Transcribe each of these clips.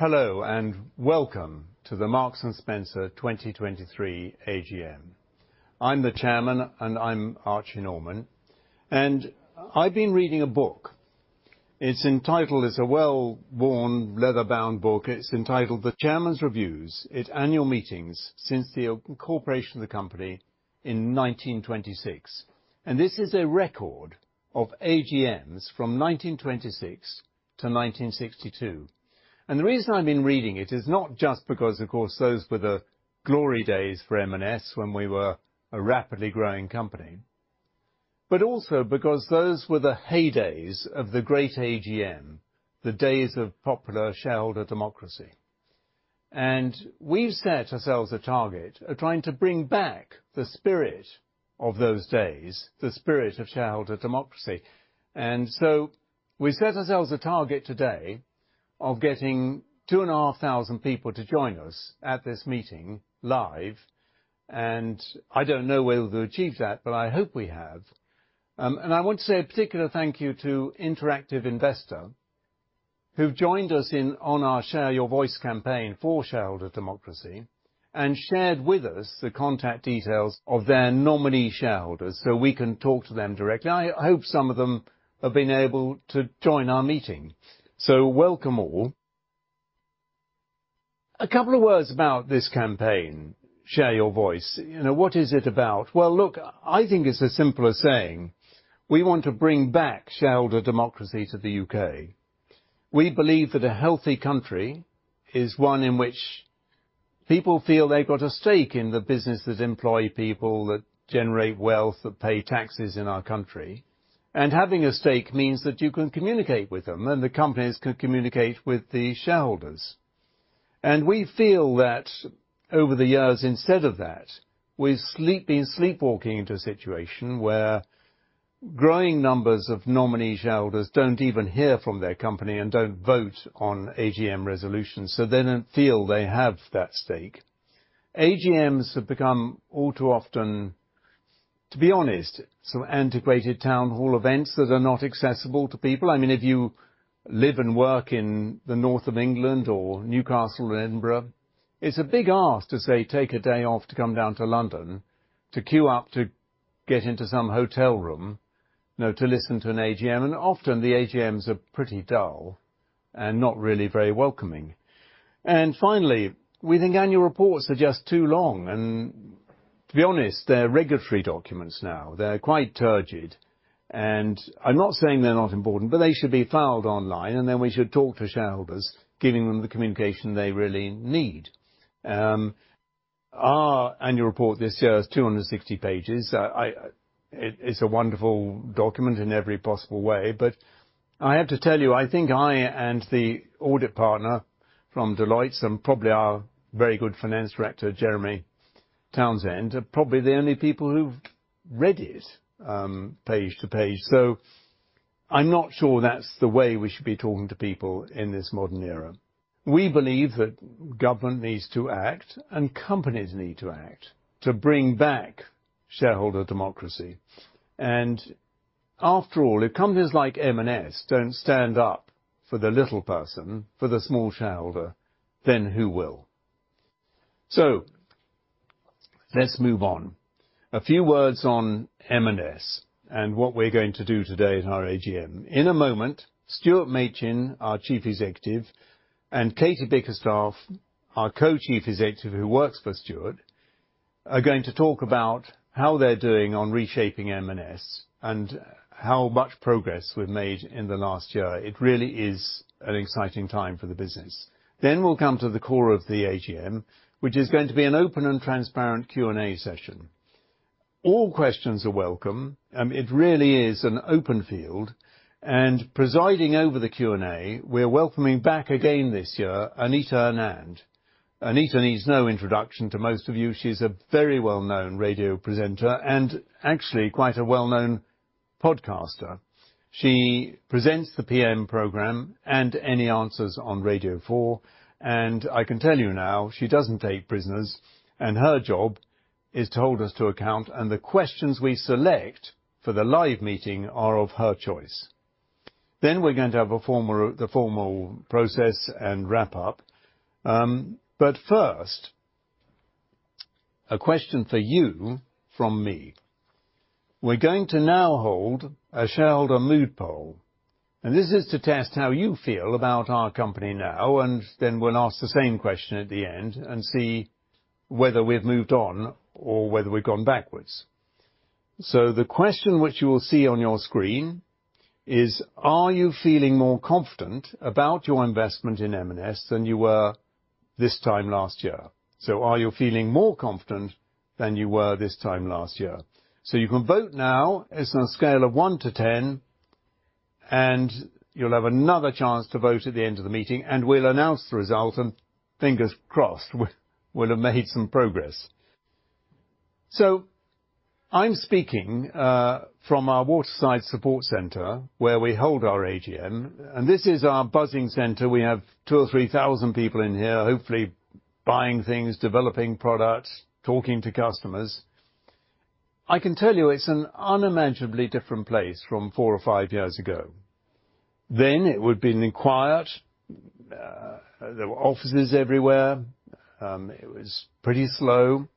Hello, welcome to the Marks and Spencer 2023 AGM. I'm the chairman, I'm Archie Norman, I've been reading a book. It's entitled a well-worn, leather-bound book. It's entitled The Chairman's Reviews at Annual Meetings Since the Incorporation of the Company in 1926. This is a record of AGMs from 1926 to 1962. The reason I've been reading it is not just because, of course, those were the glory days for M&S, when we were a rapidly growing company, but also because those were the heydays of the great AGM, the days of popular shareholder democracy and we've set ourselves a target of trying to bring back the spirit of those days, the spirit of shareholder democracy. and, so, we set ourselves a target today of getting 2,500 people to join us at this meeting live. I don't know whether we'll achieve that, but I hope we have. I want to say a particular thank you to interactive investor, who've joined us in, on our Share Your Voice campaign for shareholder democracy and shared with us the contact details of their nominee shareholders, so we can talk to them directly. I hope some of them have been able to join our meeting. Welcome, all. A couple of words about this campaign, Share Your Voice. You know, what is it about? Well, look, I think it's as simple as saying we want to bring back shareholder democracy to the We believe that a healthy country is one in which people feel they've got a stake in the business that employ people, that generate wealth, that pay taxes in our country and having a stake means that you can communicate with them, and the companies can communicate with the shareholders and we feel that over the, instead of that, been sleepwalking into a situation where growing numbers of nominee shareholders don't even hear from their company and don't vote on AGM resolutions. They don't feel they have that stake. AGMs have become all too often, to be honest, some antiquated town hall events that are not accessible to people. I mean, if you live and work in the north of England or Newcastle or Edinburgh, it's a big ask to, say, take a day off to come down to London, to queue up, to get into some hotel room, you know, to listen to an AGM. Often the AGMs are pretty dull and not really very welcoming and finally, we think annual reports are just too long, and to be honest, they're regulatory documents now. They're quite turgid, and I'm not saying they're not important, but they should be filed online, then we should talk to shareholders, giving them the communication they really need. Our annual report this year is 260 pages. It's a wonderful document in every possible way, but I have to tell you, I think I and the audit partner from Deloitte and probably our very good finance director, Jeremy Townsend, are probably the only people who've read it, page to page. I'm not sure that's the way we should be talking to people in this modern era. We believe that government needs to act, and companies need to act to bring back shareholder democracy and after all, if companies like M&S don't stand up for the little person, for the small shareholder, then who will? Let's move on. A few words on M&S and what we're going to do today at our AGM. In a moment, Stuart Machin, our Chief Executive, and Katie Bickerstaffe, our Co-Chief Executive, who works for Stuart, are going to talk about how they're doing on reshaping M&S and how much progress we've made in the last year. It really is an exciting time for the business. We'll come to the core of the AGM, which is going to be an open and transparent Q&A session. All questions are welcome. It really is an open field and presiding over the Q&A, we're welcoming back again this year, Anita Anand. Anita needs no introduction to most of you. She's a very well-known radio presenter and actually quite a well-known podcaster. She presents the PM program and Any Answers? on Radio 4. I can tell you now, she doesn't take prisoners. Her job is to hold us to account. The questions we select for the live meeting are of her choice. Then we're going to have the formal process and wrap up. First, a question for you from me. We're going to now hold a shareholder mood poll. This is to test how you feel about our company now. Then we'll ask the same question at the end and see whether we've moved on or whether we've gone backwards. The question which you will see on your screen is: Are you feeling more confident about your investment in M&S than you were this time last year? Are you feeling more confident than you were this time last year? You can vote now. It's on a scale of one to 10, and you'll have another chance to vote at the end of the meeting, and we'll announce the result, and fingers crossed, we'll have made some progress. I'm speaking from our Waterside Support Center, where we hold our AGM, and this is our buzzing center. We have 2,000 or 3,000 people in here, hopefully buying things, developing products, talking to customers... I can tell you it's an unimaginably different place from four or five ago. It would have been quiet, there were offices everywhere, it was pretty slow.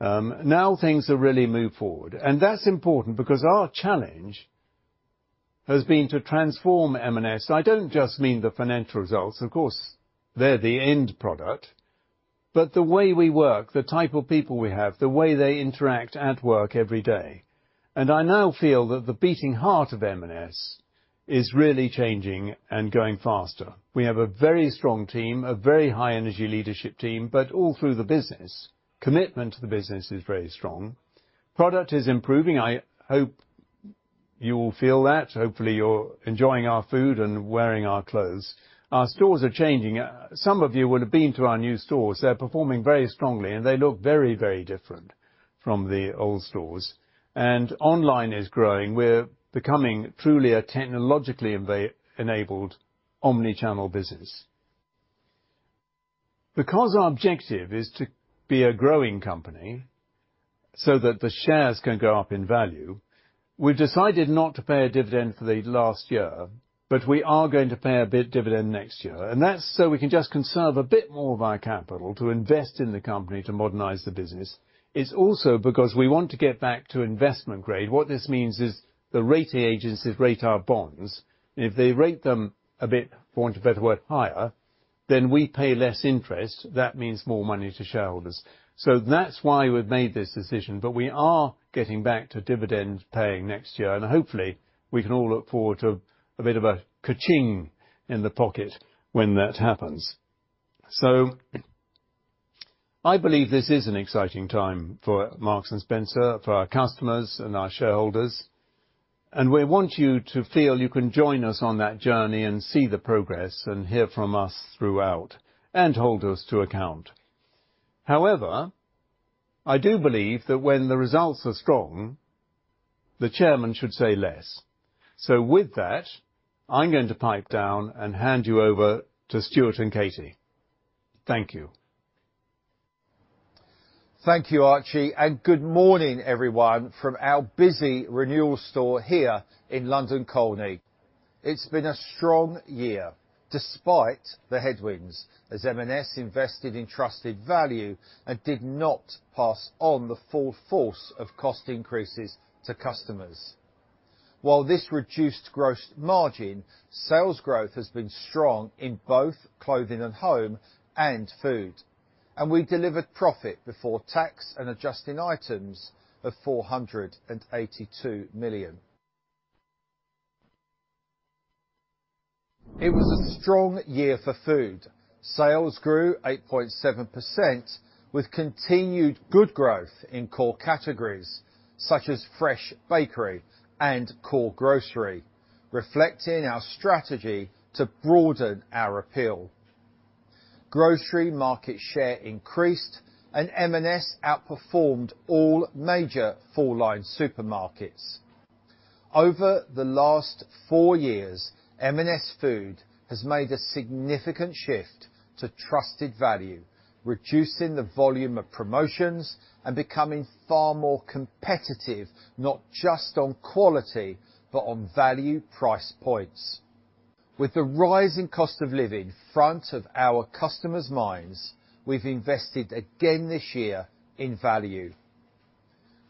Now things have really moved forward, and that's important because our challenge has been to transform M&S. I don't just mean the financial results, of course, they're the end product, but the way we work, the type of people we have, the way they interact at work every day, I now feel that the beating heart of M&S is really changing and going faster. We have a very strong team, a very high energy leadership team, but all through the business, commitment to the business is very strong. Product is improving. I hope you all feel that. Hopefully, you're enjoying our food and wearing our clothes. Our stores are changing. Some of you will have been to our new stores. They're performing very strongly, and they look very, very different from the old stores. Online is growing. We're becoming truly a technologically enabled omni-channel business. Our objective is to be a growing company so that the shares can go up in value, we've decided not to pay a dividend for the last year, but we are going to pay a bit dividend next year, and that's so we can just conserve a bit more of our capital to invest in the company to modernize the business. It's also because we want to get back to investment grade. What this means is the rating agencies rate our bonds, and if they rate them a bit, for want of a better word, higher, then we pay less interest. That means more money to shareholders. That's why we've made this decision, but we are getting back to dividend paying next year, and hopefully, we can all look forward to a bit of a ka-ching in the pocket when that happens. I believe this is an exciting time for Marks and Spencer, for our customers and our shareholders, and we want you to feel you can join us on that journey and see the progress, and hear from us throughout, and hold us to account. I do believe that when the results are strong, the chairman should say less. With that, I'm going to pipe down and hand you over to Stuart and Katie. Thank you. Thank you, Archie, good morning, everyone from our busy renewal store here in London Colney. It's been a strong year despite the headwinds, as M&S invested in trusted value and did not pass on the full force of cost increases to customers. While this reduced gross margin, sales growth has been strong in both clothing and home and food, and we delivered profit before tax and adjusting items of 482 million. It was a strong year for food. Sales grew 8.7%, with continued good growth in core categories such as fresh bakery and core grocery, reflecting our strategy to broaden our appeal. Grocery market share increased, M&S outperformed all major full-line supermarkets. Over the last four, M&S Food has made a significant shift to trusted value, reducing the volume of promotions and becoming far more competitive, not just on quality, but on value price points. With the rising cost of living front of our customers' minds, we've invested again this year in value.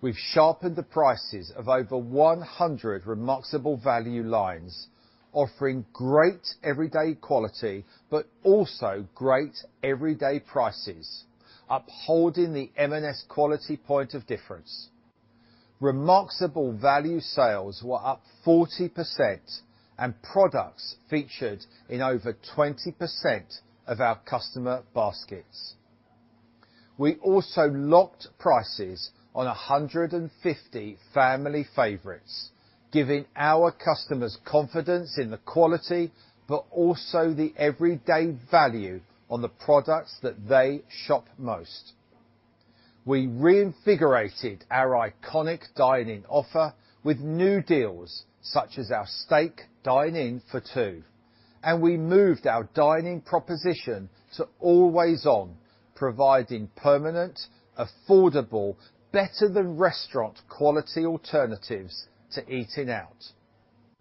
We've sharpened the prices of over 100 Remarksable Value Lines, offering great everyday quality, but also great everyday prices, upholding the M&S quality point of difference. Remarksable Value sales were up 40%, and products featured in over 20% of our customer baskets. We also locked prices on 150 family favorites, giving our customers confidence in the quality, but also the everyday value on the products that they shop most. We reinvigorated our iconic dine-in offer with new deals, such as our steak dine-in for two, and we moved our dine-in proposition to Always On, providing permanent, affordable, better-than-restaurant quality alternatives to eating out.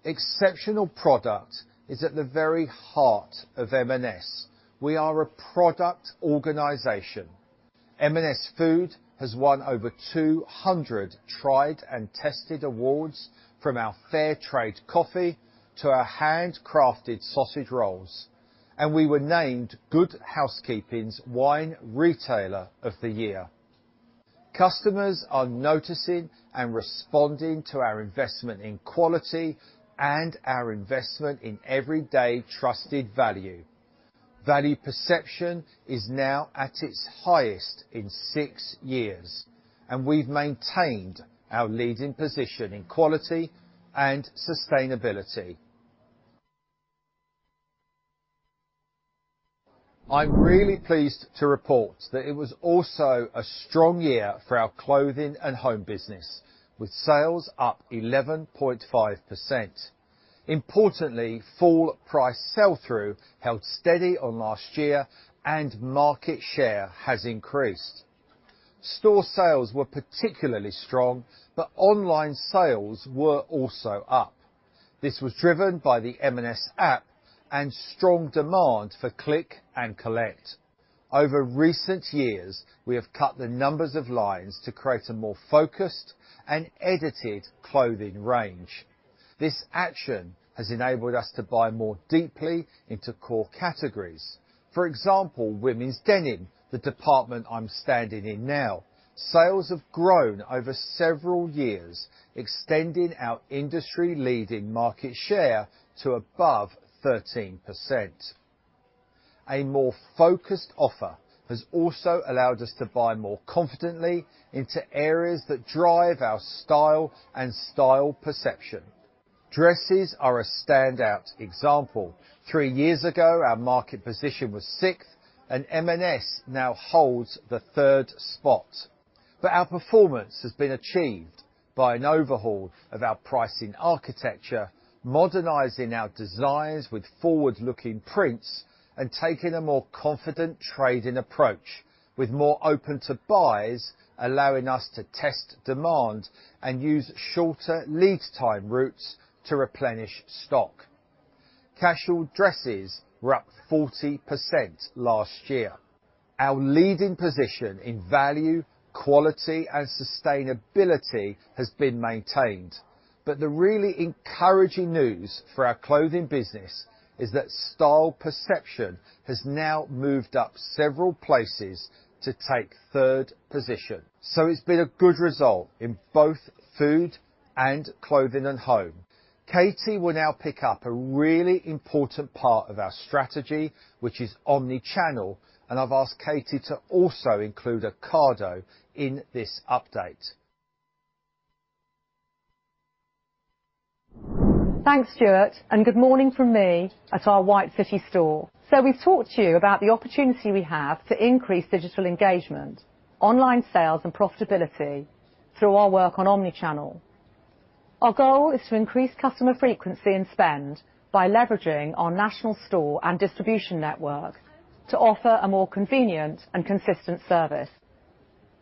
Exceptional product is at the very heart of M&S. We are a product organization. M&S Food has won over 200 tried and tested awards, from our Fairtrade coffee to our handcrafted sausage rolls, and we were named Good Housekeeping's Wine Retailer of the Year. Customers are noticing and responding to our investment in quality and our investment in everyday trusted value. Value perception is now at its highest in 6 years, and we've maintained our leading position in quality and sustainability. I'm really pleased to report that it was also a strong year for our clothing and home business, with sales up 11.5%. Importantly, full price sell-through held steady on last year, and market share has increased. Store sales were particularly strong, but online sales were also up. This was driven by the M&S app and strong demand for Click & Collect. Over recent years, we have cut the numbers of lines to create a more focused and edited clothing range. This action has enabled us to buy more deeply into core categories. For example, women's denim, the department I'm standing in now, sales have grown over several years, extending our industry-leading market share to above 13%. A more focused offer has also allowed us to buy more confidently into areas that drive our style and style perception. Dresses are a standout example. 3 years ago, our market position was sixth, and M&S now holds the third spot. Our performance has been achieved by an overhaul of our pricing architecture, modernizing our designs with forward-looking prints, and taking a more confident trading approach, with more open to buys, allowing us to test demand and use shorter lead time routes to replenish stock. Casual dresses were up 40% last year. Our leading position in value, quality, and sustainability has been maintained, the really encouraging news for our clothing business is that style perception has now moved up several places to take third position. It's been a good result in both food and Clothing & Home. Katie will now pick up a really important part of our strategy, which is omni-channel, I've asked Katie to also include Ocado in this update. Thanks, Stuart. Good morning from me at our White City store. We've talked to you about the opportunity we have to increase digital engagement, online sales, and profitability through our work on omni-channel. Our goal is to increase customer frequency and spend by leveraging our national store and distribution network to offer a more convenient and consistent service.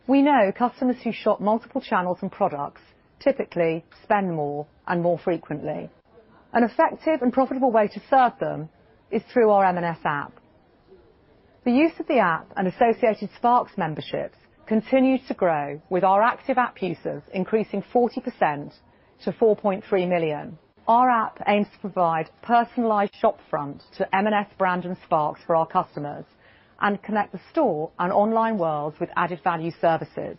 We know customers who shop multiple channels and products typically spend more and more frequently. An effective and profitable way to serve them is through our M&S app. The use of the app and associated Sparks memberships continues to grow, with our active app users increasing 40% to 4.3 million. Our app aims to provide personalized shop front to M&S brand and Sparks for our customers and connect the store and online world with added value services.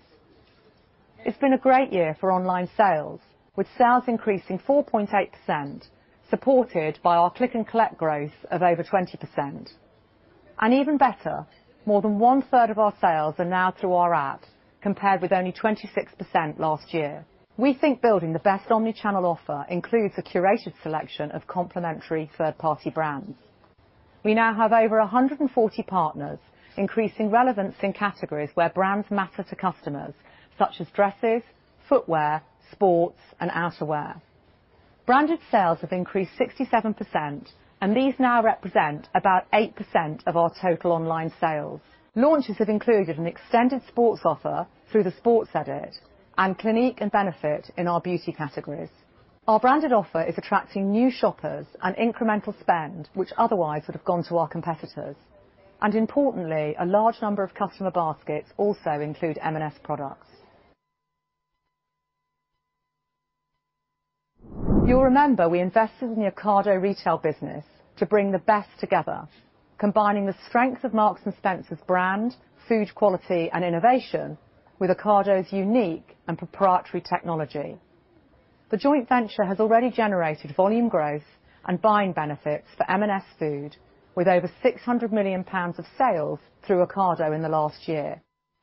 It's been a great year for online sales, with sales increasing 4.8%, supported by our Click & Collect growth of over 20%. Even better, more than 1/3 of our sales are now through our app, compared with only 26% last year. We think building the best omni-channel offer includes a curated selection of complementary third-party brands. We now have over 140 partners, increasing relevance in categories where brands matter to customers, such as dresses, footwear, sports, and outerwear. Branded sales have increased 67%, these now represent about 8% of our total online sales. Launches have included an extended sports offer through The Sports Edit and Clinique and Benefit in our beauty categories. Our branded offer is attracting new shoppers and incremental spend, which otherwise would have gone to our competitors. Importantly, a large number of customer baskets also include M&S products. You'll remember we invested in the Ocado Retail business to bring the best together, combining the strengths of Marks and Spencer's brand, food quality, and innovation with Ocado's unique and proprietary technology. The joint venture has already generated volume growth and buying benefits for M&S Food, with over 600 million pounds of sales through Ocado in the last year.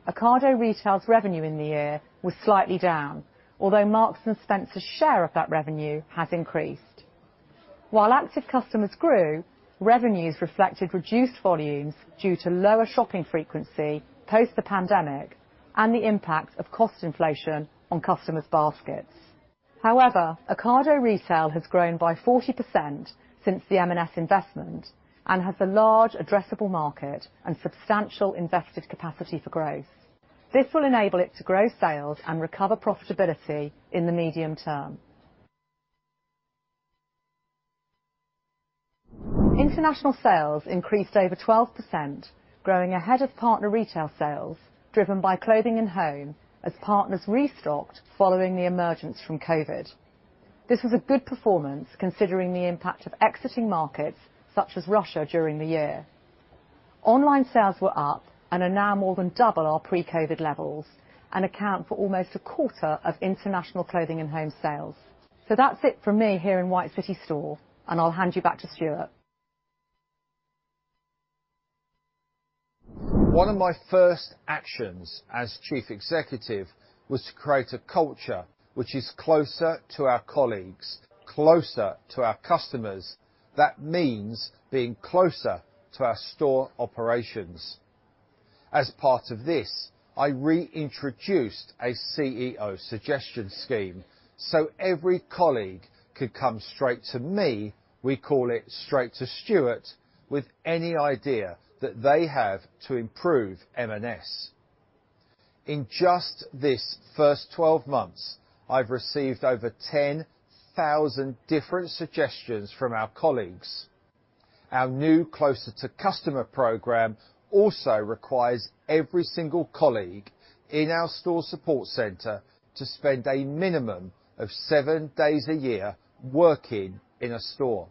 Ocado Retail's revenue in the year was slightly down, although Marks and Spencer's share of that revenue has increased. While active customers grew, revenues reflected reduced volumes due to lower shopping frequency post the pandemic and the impact of cost inflation on customers' baskets. However, Ocado Retail has grown by 40% since the M&S investment and has a large addressable market and substantial invested capacity for growth. This will enable it to grow sales and recover profitability in the medium term. International sales increased over 12%, growing ahead of partner retail sales, driven by Clothing & Home, as partners restocked following the emergence from COVID. This was a good performance, considering the impact of exiting markets such as Russia during the year. Online sales were up and are now more than double our pre-COVID levels and account for almost a quarter of international Clothing & Home sales. That's it for me here in White City store, and I'll hand you back to Stuart. One of my first actions as chief executive was to create a culture which is closer to our colleagues, closer to our customers. That means being closer to our store operations. As part of this, I reintroduced a CEO suggestion scheme, so every colleague could come straight to me, we call it Straight to Stuart, with any idea that they have to improve M&S. In just this first 12 months, I've received over 10,000 different suggestions from our colleagues. Our new Closer to Customer program also requires every single colleague in our store support center to spend a minimum of 7 days a year working in a store.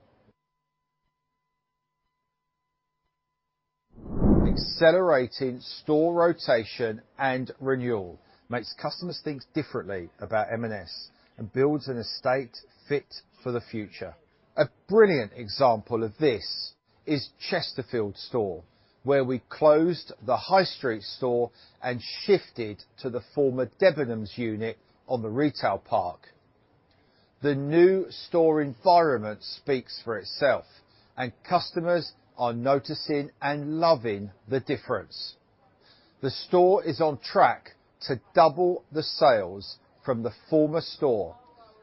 Accelerating store rotation and renewal makes customers think differently about M&S and builds an estate fit for the future. A brilliant example of this is Chesterfield store, where we closed the High Street store and shifted to the former Debenhams unit on the retail park. The new store environment speaks for itself, and customers are noticing and loving the difference. The store is on track to double the sales from the former store,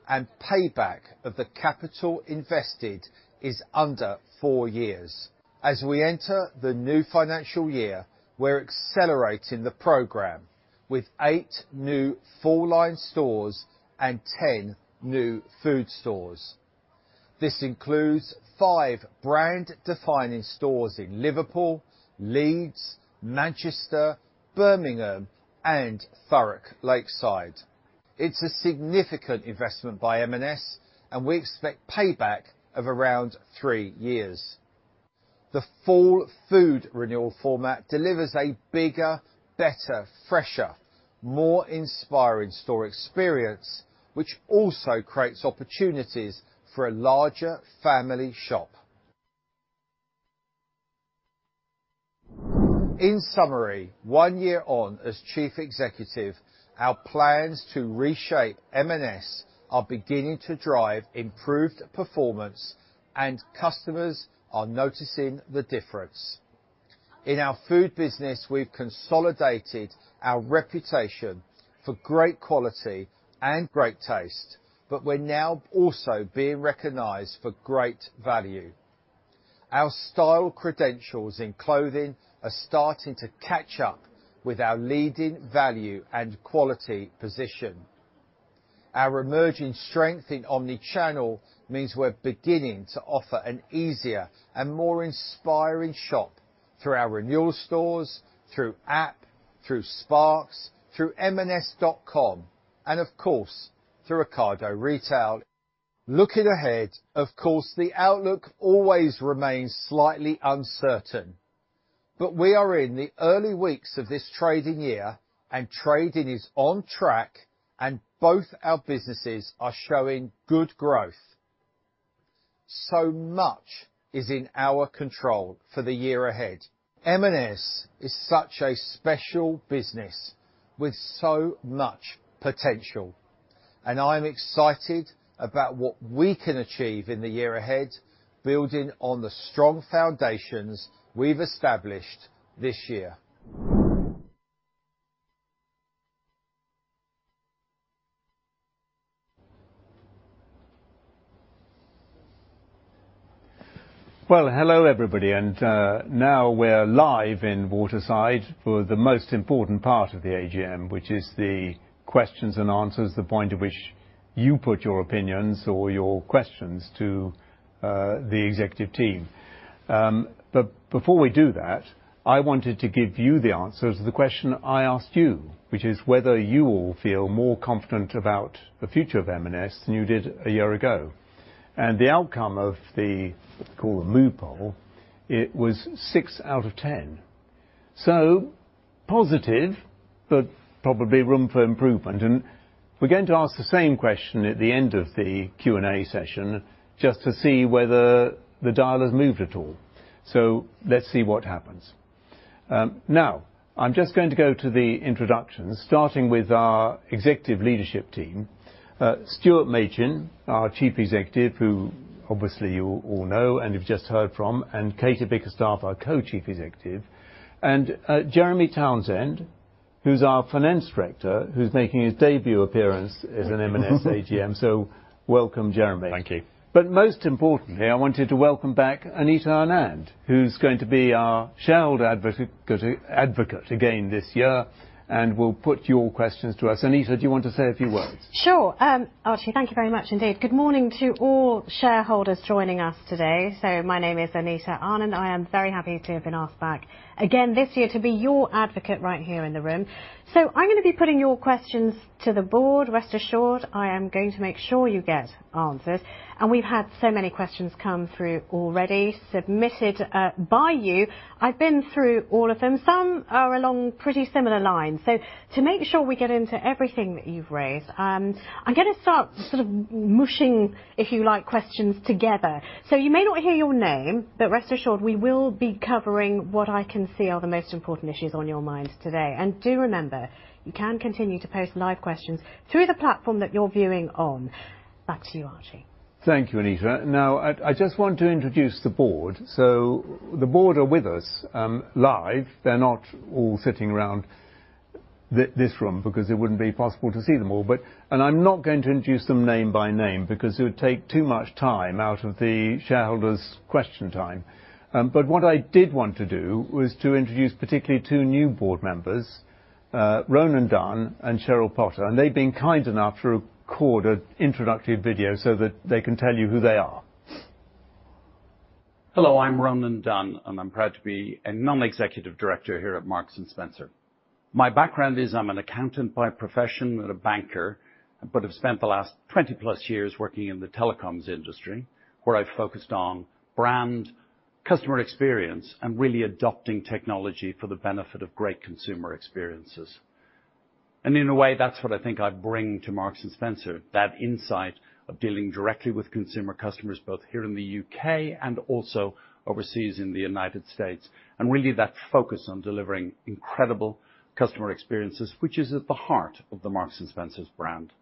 and payback of the capital invested is under 4 years. As we enter the new financial year, we're accelerating the program, with eight new full-line stores and 10 new food stores. This includes five brand-defining stores in Liverpool, Leeds, Manchester, Birmingham, and Thurrock Lakeside. It's a significant investment by M&S, and we expect payback of around 3 years. The full food renewal format delivers a bigger, better, fresher, more inspiring store experience, which also creates opportunities for a larger family shop. In summary, one year on as chief executive, our plans to reshape M&S are beginning to drive improved performance, and customers are noticing the difference. In our food business, we've consolidated our reputation for great quality and great taste, but we're now also being recognized for great value. Our style credentials in clothing are starting to catch up with our leading value and quality position. Our emerging strength in omni-channel means we're beginning to offer an easier and more inspiring shop through our renewal stores, through app, through Sparks, through M&S.com, and of course, through Ocado Retail. Looking ahead, of course, the outlook always remains slightly uncertain. We are in the early weeks of this trading year, and trading is on track, and both our businesses are showing good growth. Much is in our control for the year ahead. M&S is such a special business with so much potential. I'm excited about what we can achieve in the year ahead, building on the strong foundations we've established this year. Well, hello, everybody, now we're live in Waterside for the most important part of the AGM, which is the questions and answers, the point at which you put your opinions or your questions to the executive team. Before we do that, I wanted to give you the answer to the question I asked you, which is whether you all feel more confident about the future of M&S than you did a year ago. The outcome of the, let's call it a mood poll, it was six out of 10. Positive, but probably room for improvement, and we're going to ask the same question at the end of the Q&A session just to see whether the dial has moved at all. So, let's see what happens. Now, I'm just going to go to the introductions, starting with our executive leadership team, Stuart Machin, our Chief Executive, who obviously you all know and you've just heard from, and Katie Bickerstaffe, our Co-Chief Executive, and Jeremy Townsend, who's our Finance Director, who's making his debut appearance. -as an M&S AGM. Welcome, Jeremy. Most importantly, I wanted to welcome back Anita Anand, who's going to be our shareholder advocate again this year, and will put your questions to us. Anita, do you want to say a few words? Sure. Archie, thank you very much indeed. Good morning to all shareholders joining us today. My name is Anita Anand, I am very happy to have been asked back again this year to be your advocate right here in the room. I'm gonna be putting your questions to the board. Rest assured, I am going to make sure you get answers, we've had so many questions come through already, submitted by you. I've been through all of them. Some are along pretty similar lines, to make sure we get into everything that you've raised, I'm gonna start sort of mooshing, if you like, questions together. You may not hear your name, rest assured, we will be covering what I can see are the most important issues on your mind today. Do remember, you can continue to post live questions through the platform that you're viewing on. Back to you, Archie. Thank you, Anita. I just want to introduce the board. The board are with us, live. They're not all sitting around this room, because it wouldn't be possible to see them all but I'm not going to introduce them name by name, because it would take too much time out of the shareholders' question time. What I did want to do was to introduce particularly two new board members, Ronan Dunne and Cheryl Potter, and they've been kind enough to record an introductory video so that they can tell you who they are. Hello, I'm Ronan Dunne, and I'm proud to be a non-executive director here at Marks and Spencer. My background is I'm an accountant by profession and a banker, but have spent the last 20+ years working in the telecoms industry, where I focused on brand, customer experience, and really adopting technology for the benefit of great consumer experiences. In a way, that's what I think I bring to Marks and Spencer, that insight of dealing directly with consumer customers, both here in the U.K. and also overseas in the United States, and really that focus on delivering incredible customer experiences, which is at the heart of the Marks and Spencer brand.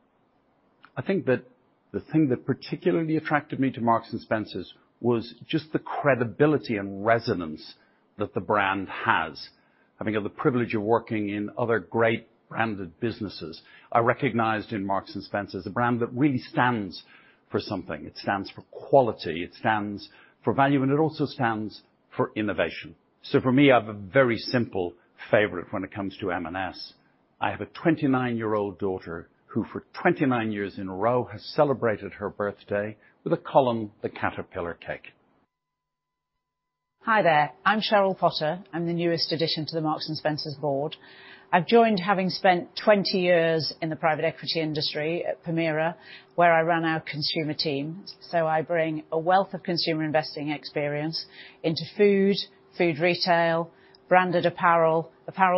I think that the thing that particularly attracted me to Marks and Spencer was just the credibility and resonance that the brand has. Having had the privilege of working in other great branded businesses, I recognized in Marks and Spencer, a brand that really stands for something. It stands for quality, it stands for value, and it also stands for innovation. For me, I have a very simple favorite when it comes to M&S. I have a 29-year-old daughter, who, for 29 years in a row, has celebrated her birthday with a Colin the Caterpillar cake. Hi there, I'm Cheryl Potter. I'm the newest addition to the Marks and Spencer board. I've joined, having spent 20 years in the private equity industry at Permira, where I ran our consumer team. I bring a wealth of consumer investing experience into food retail, branded apparel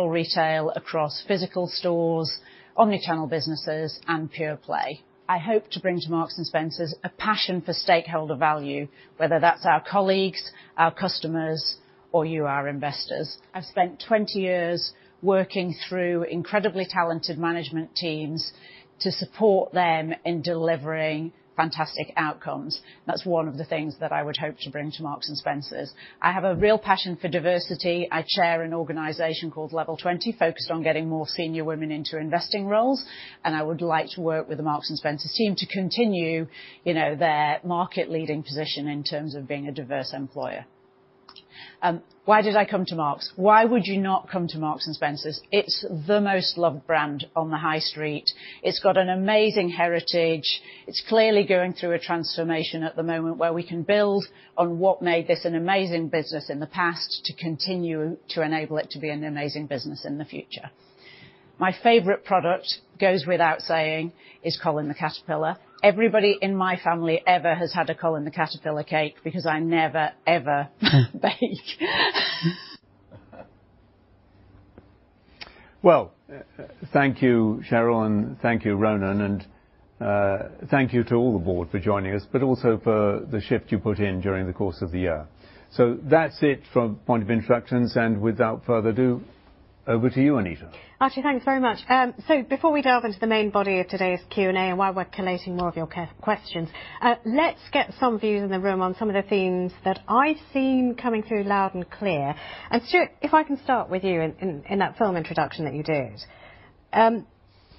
retail across physical stores, omni-channel businesses, and pure play. I hope to bring to Marks and Spencer a passion for stakeholder value, whether that's our colleagues, our customers, or you, our investors. I've spent 20 years working through incredibly talented management teams to support them in delivering fantastic outcomes. That's one of the things that I would hope to bring to Marks and Spencer. I have a real passion for diversity. I chair an organization called Level20, focused on getting more senior women into investing roles, and I would like to work with the Marks and Spencer team to continue, you know, their market-leading position in terms of being a diverse employer. Why did I come to Marks? Why would you not come to Marks and Spencer? It's the most loved brand on the High Street. It's got an amazing heritage. It's clearly going through a transformation at the moment where we can build on what made this an amazing business in the past, to continue to enable it to be an amazing business in the future. My favorite product, goes without saying, is Colin the Caterpillar. Everybody in my family ever has had a Colin the Caterpillar cake, because I never, ever bake. Thank you, Cheryl, and thank you, Ronan, and thank you to all the board for joining us, but also for the shift you put in during the course of the year. That's it from point of instructions, and without further ado, over to you, Anita. Actually, thanks very much. Before we delve into the main body of today's Q&A, while we're collating more of your questions, let's get some views in the room on some of the themes that I've seen coming through loud and clear and Stuart, if I can start with you in that film introduction that you did.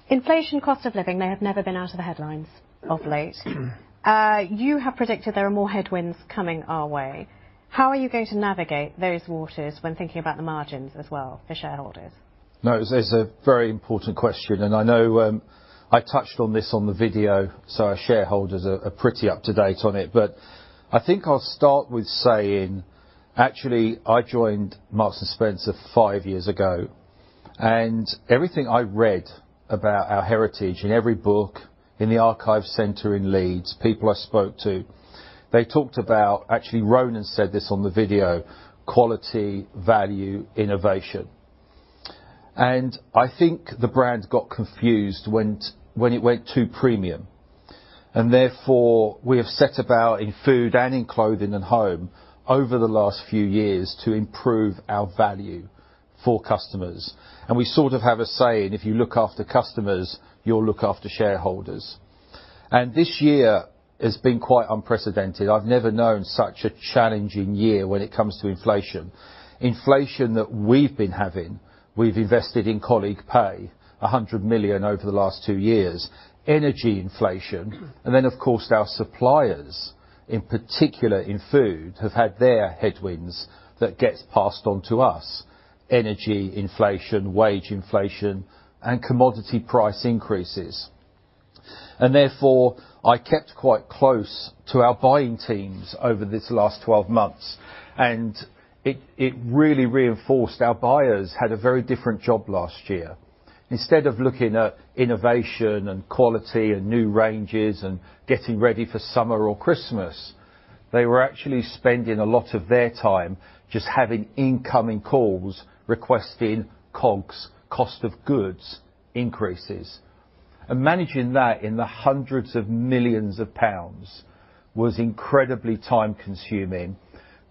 Inflation, cost of living, they have never been out of the headlines of late. Mm-hmm. You have predicted there are more headwinds coming our way. How are you going to navigate those waters when thinking about the margins as well for shareholders? No, it's a very important question. I know I touched on this on the video, so our shareholders are pretty up to date on it. I think I'll start with saying, actually, I joined Marks and Spencer 5 years ago. Everything I read about our heritage in every book in the archive center in Leeds, people I spoke to, they talked about. Actually, Ronan said this on the video, quality, value, innovation. I think the brand got confused when it went too premium. Therefore, we have set about in food and in clothing and home over the last few years to improve our value for customers. We sort of have a saying: If you look after customers, you'll look after shareholders. This year has been quite unprecedented. I've never known such a challenging year when it comes to inflation. Inflation that we've been having, we've invested in colleague pay, 100 million over the last 2 years. Then, of course, our suppliers, in particular in food, have had their headwinds that gets passed on to us. Energy inflation, wage inflation, and commodity price increases. Therefore, I kept quite close to our buying teams over this last 12 months, and it really reinforced our buyers had a very different job last year. Instead of looking at innovation and quality and new ranges and getting ready for summer or Christmas, they were actually spending a lot of their time just having incoming calls, requesting COGS, cost of goods, increases. Managing that in the hundreds of millions of GBP was incredibly time-consuming.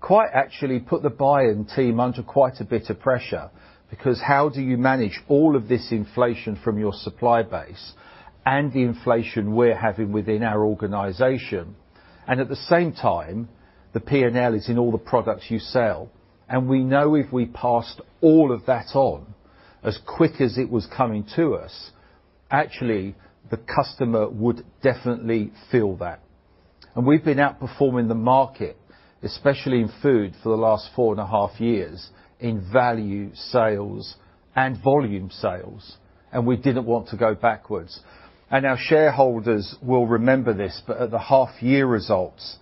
Quite actually put the buying team under quite a bit of pressure, because how do you manage all of this inflation from your supply base and the inflation we're having within our organization and at the same time, the P&L is in all the products you sell. We know if we passed all of that on as quick as it was coming to us, actually, the customer would definitely feel that. We've been outperforming the market, especially in food, for the last 4.5 years in value sales and volume sales, and we didn't want to go backwards and our shareholders will remember this, but at the half-year results,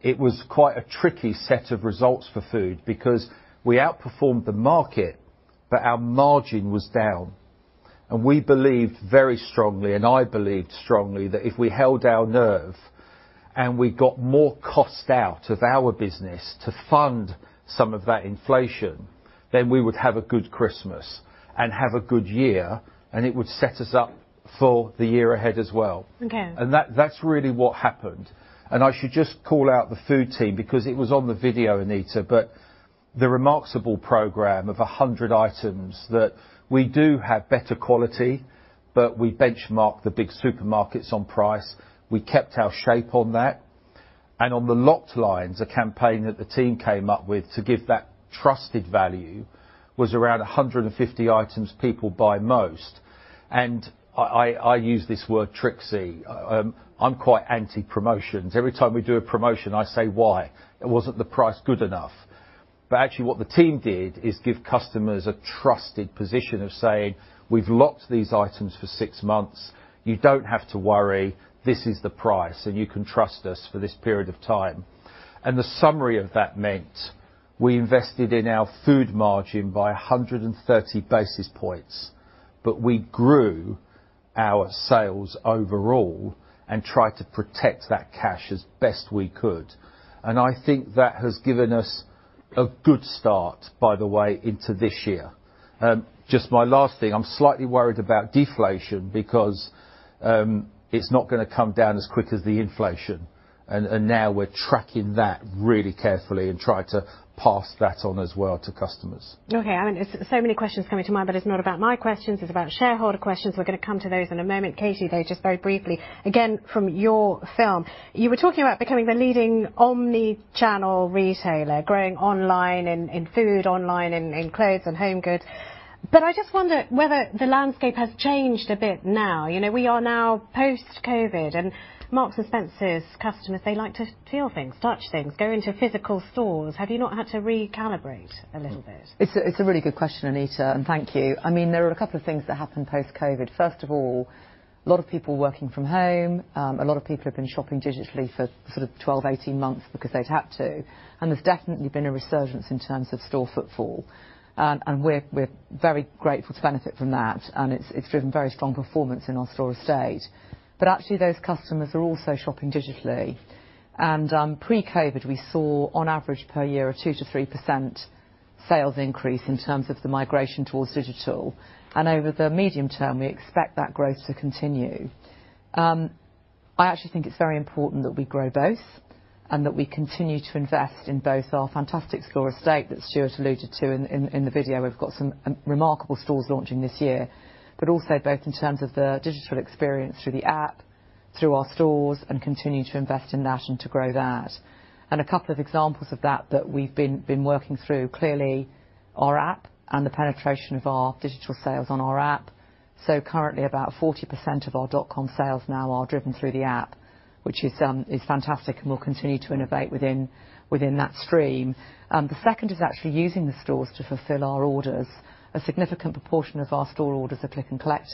it was quite a tricky set of results for food because we outperformed the market, but our margin was down. We believed very strongly, and I believed strongly, that if we held our nerve and we got more cost out of our business to fund some of that inflation, then we would have a good Christmas and have a good year, and it would set us up for the year ahead as well. Okay. That's really what happened. I should just call out the food team because it was on the video, Anita, the remarkable program of 100 items that we do have better quality, we benchmark the big supermarkets on price. We kept our shape on that, on the Locked lines, a campaign that the team came up with to give that trusted value, was around 150 items people buy most and I use this word tricksy. I'm quite anti-promotions. Every time we do a promotion, I say, "Why? Wasn't the price good enough?" Actually, what the team did is give customers a trusted position of saying, "We've locked these items for 6 months. You don't have to worry. This is the price, and you can trust us for this period of time." The summary of that meant we invested in our food margin by 130 basis points, but we grew our sales overall and tried to protect that cash as best we could. I think that has given us a good start, by the way, into this year. Just my last thing, I'm slightly worried about deflation because it's not gonna come down as quick as the inflation, and now we're tracking that really carefully and try to pass that on as well to customers. Okay, I mean, there's so many questions coming to mind, but it's not about my questions, it's about shareholder questions. We're gonna come to those in a moment. Katie, though, just very briefly, again, from your film, you were talking about becoming the leading omni-channel retailer, growing online in food, online in clothes and home goods. I just wonder whether the landscape has changed a bit now. You know, we are now post-COVID, and Marks and Spencer's customers, they like to feel things, touch things, go into physical stores. Have you not had to recalibrate a little bit? It's a really good question, Anita, thank you. I mean, there are a couple of things that happened post-COVID. First of all, a lot of people working from home, a lot of people have been shopping digitally for sort of 12, 18 months because they've had to, there's definitely been a resurgence in terms of store footfall. We're very grateful to benefit from that, it's driven very strong performance in our store estate. Actually, those customers are also shopping digitally. Pre-COVID, we saw on average per year, a 2%-3% sales increase in terms of the migration towards digital. Over the medium term, we expect that growth to continue. I actually think it's very important that we grow both and that we continue to invest in both our fantastic store estate that Stuart alluded to in the video. We've got some remarkable stores launching this year, but also both in terms of the digital experience through the app, through our stores, and continue to invest in that and to grow that. A couple of examples of that we've been working through, clearly, our app and the penetration of our digital sales on our app. So, currently, about 40% of our .com sales now are driven through the app, which is fantastic, and we'll continue to innovate within that stream. The second is actually using the stores to fulfill our orders. A significant proportion of our store orders are Click & Collect.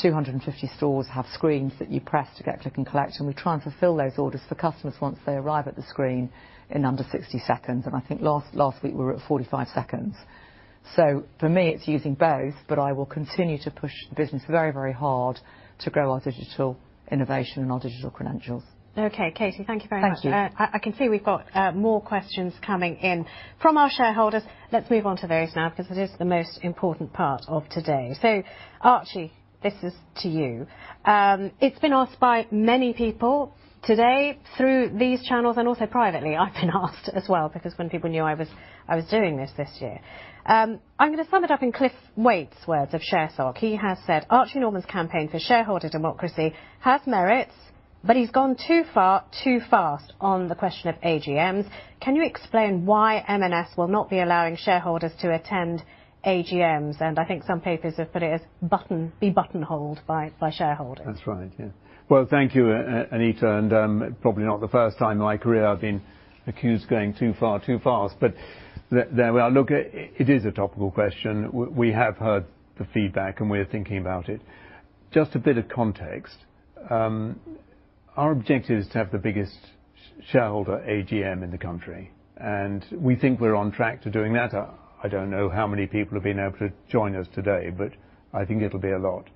250 stores have screens that you press to get Click & Collect, We try and fulfill those orders for customers once they arrive at the screen in under 60 seconds, I think last week, we were at 45 seconds. For me, it's using both, I will continue to push the business very, very hard to grow our digital innovation and our digital credentials. Okay, Katie, thank you very much. Thank you. I can see we've got more questions coming in from our shareholders. Let's move on to those now, because it is the most important part of today. Archie, this is to you. It's been asked by many people today through these channels and also privately. I've been asked as well, because when people knew I was, I was doing this this year. I'm gonna sum it up in Cliff Weight's words of ShareSoc. He has said, "Archie Norman's campaign for shareholder democracy has merits, but he's gone too far, too fast on the question of AGMs." Can you explain why M&S will not be allowing shareholders to attend AGMs? I think some papers have put it as buttonholed by shareholders. That's right, yeah. Well, thank you, Anita, and, probably not the first time in my career I've been accused of going too far, too fast. Well, look, it is a topical question. We have heard the feedback, and we're thinking about it. Just a bit of context, our objective is to have the biggest shareholder AGM in the country, and we think we're on track to doing that. I don't know how many people have been able to join us today, but I think it'll be a lot.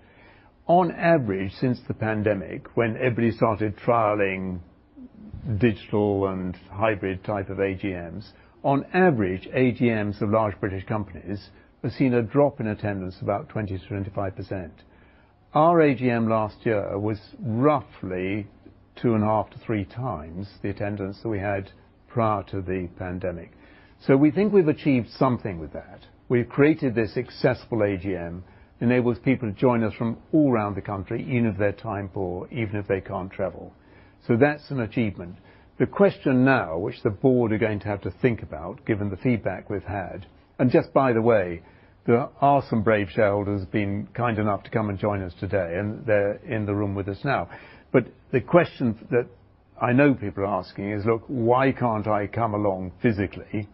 On average, since the pandemic, when everybody started trialing digital and hybrid type of AGMs, on average, AGMs of large British companies have seen a drop in attendance about 20%-25%. Our AGM last year was roughly 2.5x-3x the attendance that we had prior to the pandemic. We think we've achieved something with that. We've created this successful AGM, enables people to join us from all around the country, even if they're time poor, even if they can't travel. That's an achievement. The question now, which the board are going to have to think about, given the feedback we've had, and just by the way, there are some brave shareholders being kind enough to come and join us today, and they're in the room with us now. The question that I know people are asking is, "Look, why can't I come along physically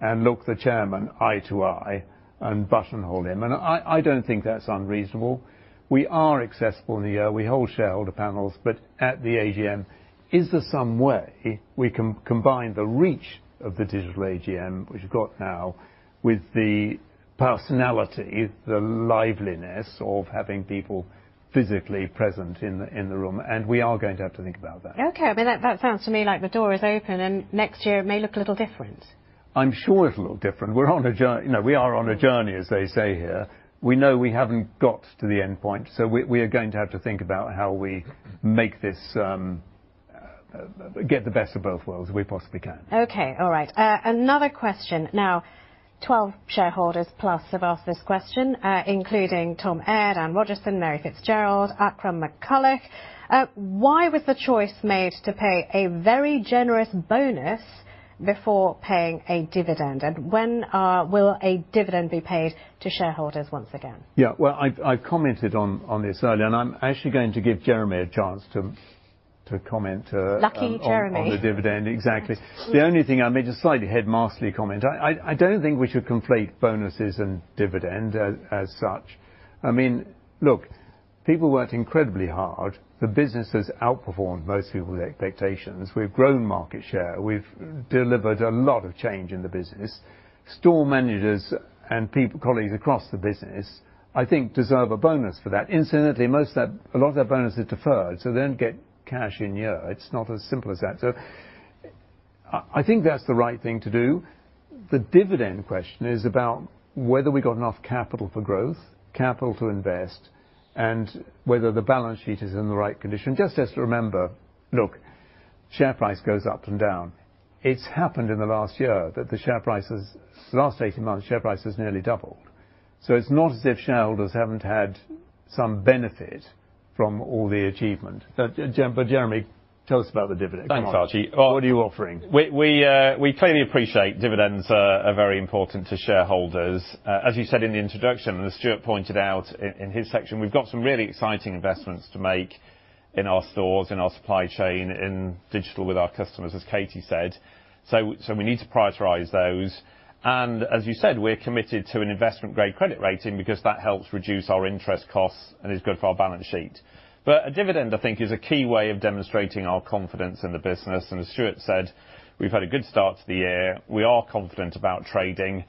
and look the chairman eye to eye and buttonhole him?" I don't think that's unreasonable. We are accessible in the year. We hold shareholder panels, but at the AGM, but, is there some way we can combine the reach of the digital AGM, which we've got now, with the personality, the liveliness of having people physically present in the room? We are going to have to think about that. That sounds to me like the door is open and next year it may look a little different. I'm sure it's a little different. You know, we are on a journey, as they say here. We know we haven't got to the end point. We are going to have to think about how we make this, get the best of both worlds we possibly can. Okay, all right. Another question. Now, 12 shareholders plus have asked this question, including Tom Aird, Anne Rogerson, Mary Fitzgerald, Akram McCullough. Why was the choice made to pay a very generous bonus before paying a dividend? When will a dividend be paid to shareholders once again? Well, I've commented on this earlier, I'm actually going to give Jeremy a chance to comment. Lucky Jeremy. on the dividend. Exactly. The only thing I made a slightly headmasterly comment. I don't think we should conflate bonuses and dividend as such. I mean, look, people worked incredibly hard. The business has outperformed most people's expectations. We've grown market share. We've delivered a lot of change in the business. Store managers and colleagues across the business, I think, deserve a bonus for that. Incidentally, most of that, a lot of that bonus is deferred, so they don't get cash in year. It's not as simple as that. I think that's the right thing to do. The dividend question is about whether we got enough capital for growth, capital to invest, and whether the balance sheet is in the right condition. Just as to remember, look, share price goes up and down. It's happened in the last year that the share price has... Last 18 months, share price has nearly doubled. It's not as if shareholders haven't had some benefit from all the achievement. Jeremy, tell us about the dividend. Thanks, Archie. What are you offering? We clearly appreciate dividends are very important to shareholders. As you said in the introduction, as Stuart pointed out in his section, we've got some really exciting investments to make in our stores, in our supply chain, in digital with our customers, as Katie said. We need to prioritize those. As you said, we're committed to an investment grade credit rating because that helps reduce our interest costs and is good for our balance sheet. A dividend, I think, is a key way of demonstrating our confidence in the business, as Stuart said, we've had a good start to the year. We are confident about trading,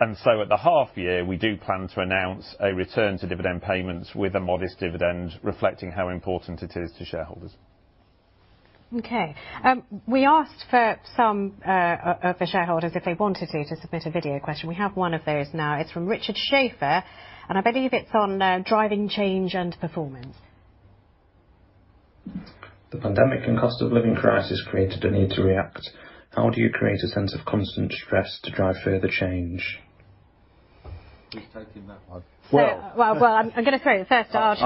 at the half year, we do plan to announce a return to dividend payments with a modest dividend, reflecting how important it is to shareholders. Okay, we asked for some for shareholders, if they wanted to submit a video question. We have one of those now. It's from Richard Schaefer, and I believe it's on driving change and performance. The pandemic and cost of living crisis created a need to react. How do you create a sense of constant stress to drive further change? Please take him that one. Well- Well, I'm gonna throw it first to Archie,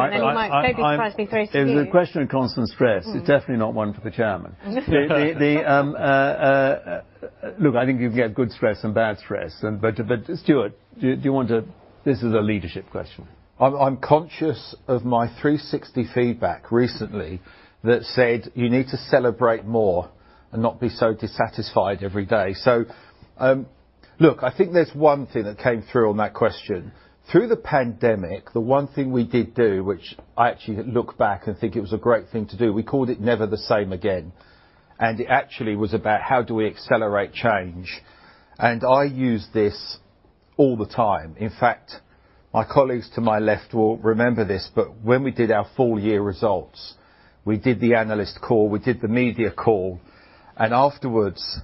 Favourite question of constant stress. Mm. It's definitely not one for the Chairman. Look, I think you can get good stress and bad stress and. Stuart, do you want to? This is a leadership question. I'm conscious of my 360 feedback recently that said, "You need to celebrate more and not be so dissatisfied every day." Look, I think there's one thing that came through on that question. Through the pandemic, the one thing we did do, which I actually look back and think it was a great thing to do, we called it Never the Same Again. It actually was about how do we accelerate change? I use this all the time. In fact, my colleagues to my left will remember this, but when we did our full year results, we did the analyst call, we did the media call, and afterwards,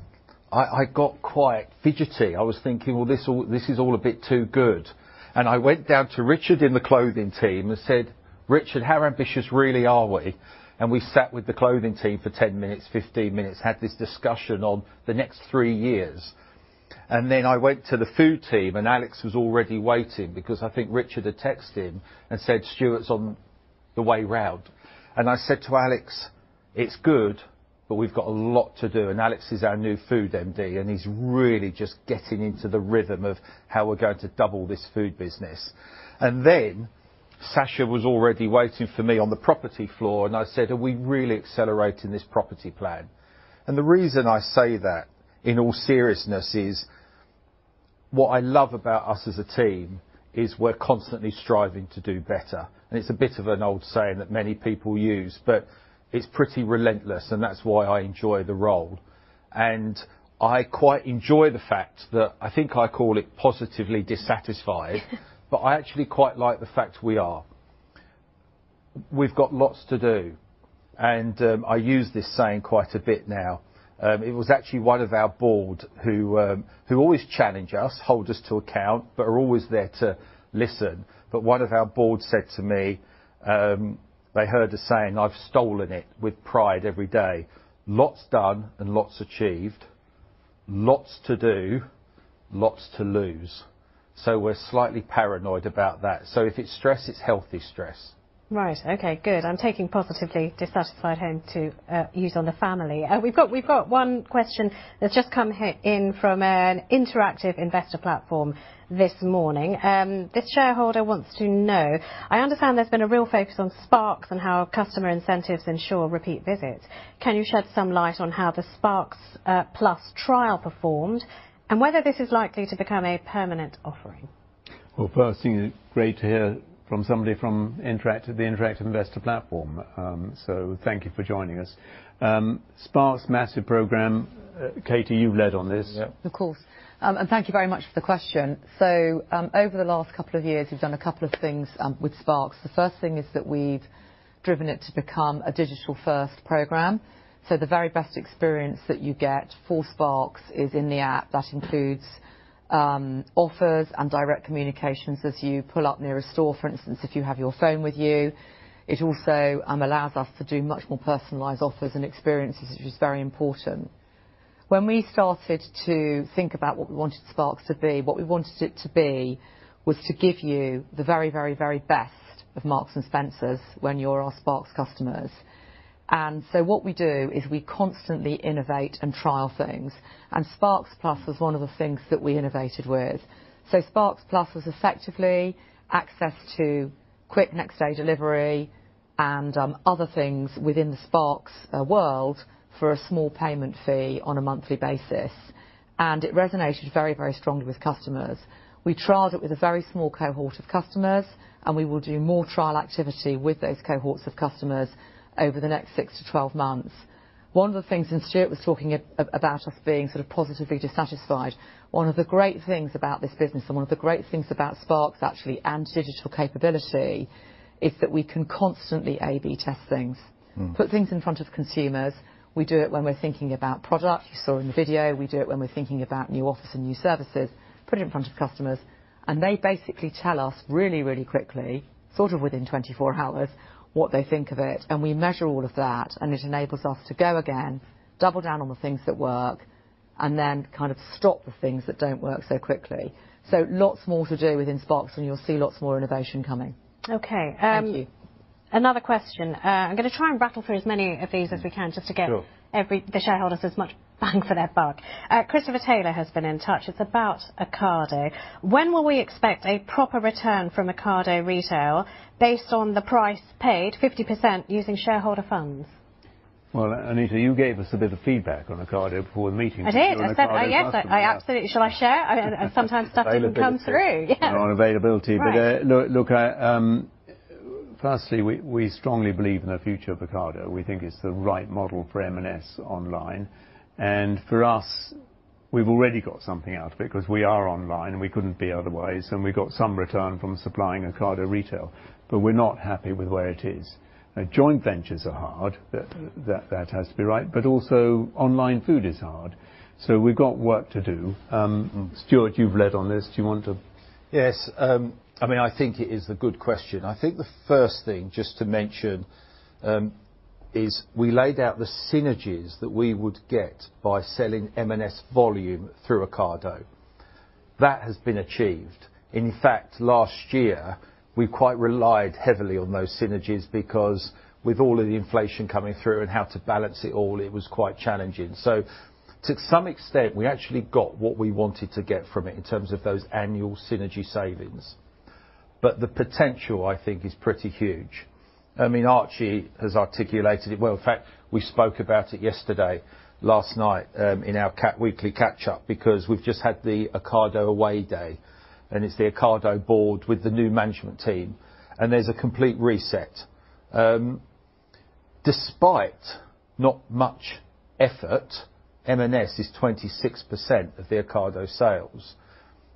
I got quite fidgety. I was thinking, "Well, this is all a bit too good." I went down to Richard in the clothing team and said, "Richard, how ambitious really are we?" We sat with the clothing team for 10 minutes, 15 minutes, had this discussion on the next 3 years. Then I went to the food team, and Alex was already waiting because I think Richard had texted him and said, "Stuart's on the way round." I said to Alex, "It's good, but we've got a lot to do." Alex is our new food MD, and he's really just getting into the rhythm of how we're going to double this food business. Sacha was already waiting for me on the property floor, and I said, "Are we really accelerating this property plan?" The reason I say that, in all seriousness, is what I love about us as a team is we're constantly striving to do better. It's a bit of an old saying that many people use, but it's pretty relentless, and that's why I enjoy the role. I quite enjoy the fact that I think I call it positively dissatisfied, but I actually quite like the fact we are. We've got lots to do. I use this saying quite a bit now. It was actually one of our board who always challenge us, hold us to account, but are always there to listen. One of our board said to me, they heard a saying, I've stolen it with pride every day, "Lots done and lots achieved, lots to do, lots to lose." We're slightly paranoid about that. If it's stress, it's healthy stress. Right. Okay, good. I'm taking positively dissatisfied home to use on the family. We've got one question that's just come in from an Interactive Investor platform this morning. This shareholder wants to know: I understand there's been a real focus on Sparks and how customer incentives ensure repeat visits. Can you shed some light on how the Sparks Plus trial performed, and whether this is likely to become a permanent offering? first, it's great to hear from somebody from Interactive Investor, the Interactive Investor platform. thank you for joining us. Sparks, massive program. Katie, you've led on this. Of course. Thank you very much for the question. Over the last couple of years, we've done a couple of things with Sparks. The first thing is that we've driven it to become a digital-first program. The very best experience that you get for Sparks is in the app. That includes offers and direct communications as you pull up near a store, for instance, if you have your phone with you. It also allows us to do much more personalized offers and experiences, which is very important. When we started to think about what we wanted Sparks to be, what we wanted it to be was to give you the very, very, very best of Marks and Spencer's when you're our Sparks customers. What we do is we constantly innovate and trial things, and Sparks Plus was one of the things that we innovated with. Sparks Plus was effectively access to quick next-day delivery and other things within the Sparks world for a small payment fee on a monthly basis. It resonated very, very strongly with customers. We trialed it with a very small cohort of customers, and we will do more trial activity with those cohorts of customers over the next 6 to 12 months. One of the things, and Stuart was talking about us being sort of positively dissatisfied, one of the great things about this business and one of the great things about Sparks, actually, and digital capability, is that we can constantly A/B test things. Mm. Put things in front of consumers. We do it when we're thinking about product. You saw in the video, we do it when we're thinking about new offers and new services, put it in front of customers. They basically tell us really, really quickly, sort of within 24 hours, what they think of it. We measure all of that. It enables us to go again, double down on the things that work. Then kind of stop the things that don't work so quickly. Lots more to do within Sparks. You'll see lots more innovation coming. Okay. Thank you. Another question. I'm going to try and rattle through as many of these as we can. Sure... the shareholders as much bang for their buck. Christopher Taylor has been in touch. It's about Ocado. When will we expect a proper return from Ocado Retail based on the price paid, 50% using shareholder funds? Well, Anita, you gave us a bit of feedback on Ocado before the meeting. I did. And Ocado asked about- I said, yes, I absolutely. Shall I share? Sometimes stuff doesn't come through. Availability. Yeah. On availability. Right. Look, I, firstly, we strongly believe in the future of Ocado. We think it's the right model for M&S online. For us, we've already got something out of it, because we are online, and we couldn't be otherwise, and we've got some return from supplying Ocado Retail, but we're not happy with where it is. Joint ventures are hard, that has to be right, but also online food is hard. We've got work to do. Stuart, you've led on this. Do you want to? Yes, I mean, I think it is a good question. I think the first thing just to mention, is we laid out the synergies that we would get by selling M&S volume through Ocado. That has been achieved. In fact, last year, we quite relied heavily on those synergies because with all of the inflation coming through and how to balance it all, it was quite challenging. To some extent, we actually got what we wanted to get from it in terms of those annual synergy savings. The potential, I think, is pretty huge. I mean, Archie has articulated it well. In fact, we spoke about it yesterday, last night, in our weekly catch up, because we've just had the Ocado away day, and it's the Ocado board with the new management team, and there's a complete reset. Despite not much effort, M&S is 26% of the Ocado sales,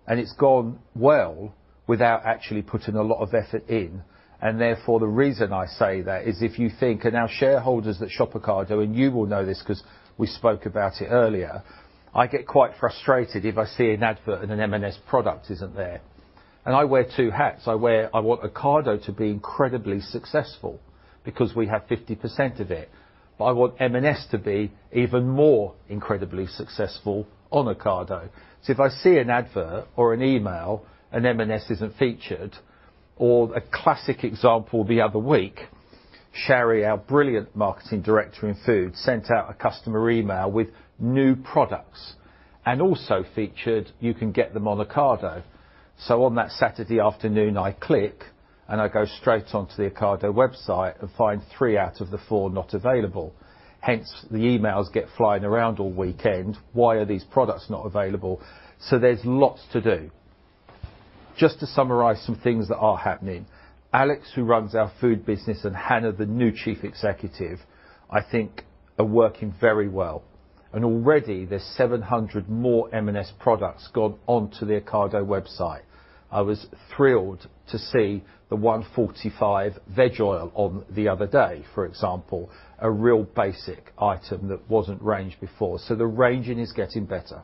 and it's gone well without actually putting a lot of effort in. Therefore, the reason I say that is if you think, and our shareholders that shop Ocado, and you will know this 'cause we spoke about it earlier, I get quite frustrated if I see an advert and an M&S product isn't there. I wear two hats. I want Ocado to be incredibly successful because we have 50% of it, but I want M&S to be even more incredibly successful on Ocado. If I see an advert or an email and M&S isn't featured, or a classic example the other week, Sharry, our brilliant marketing director in food, sent out a customer email with new products and also featured, you can get them on Ocado. On that Saturday afternoon, I click, and I go straight onto the Ocado website and find three out of the four not available. Hence, the emails get flying around all weekend. Why are these products not available? There's lots to do. Just to summarize some things that are happening, Alex, who runs our food business, and Hannah, the new Chief Executive, I think, are working very well. Already there's 700 more M&S products gone onto the Ocado website. I was thrilled to see the 145 veg oil on the other day, for example, a real basic item that wasn't ranged before. The ranging is getting better.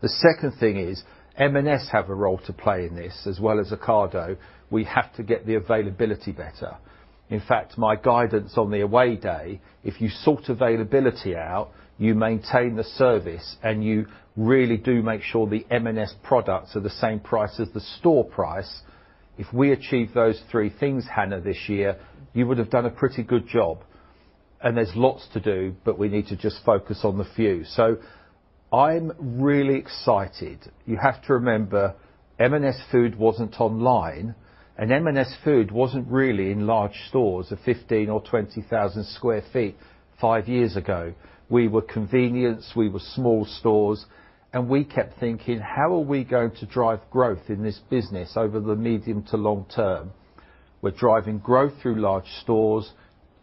The second thing is, M&S have a role to play in this as well as Ocado. We have to get the availability better. In fact, my guidance on the away day, if you sort availability out, you maintain the service, and you really do make sure the M&S products are the same price as the store price. If we achieve those three things, Hannah, this year, you would have done a pretty good job. There's lots to do, but we need to just focus on the few. I'm really excited. You have to remember, M&S Food wasn't online, and M&S Food wasn't really in large stores of 15,000 or 20,000 sq ft 5 years ago. We were convenience, we were small stores, and we kept thinking: How are we going to drive growth in this business over the medium to long term? We're driving growth through large stores,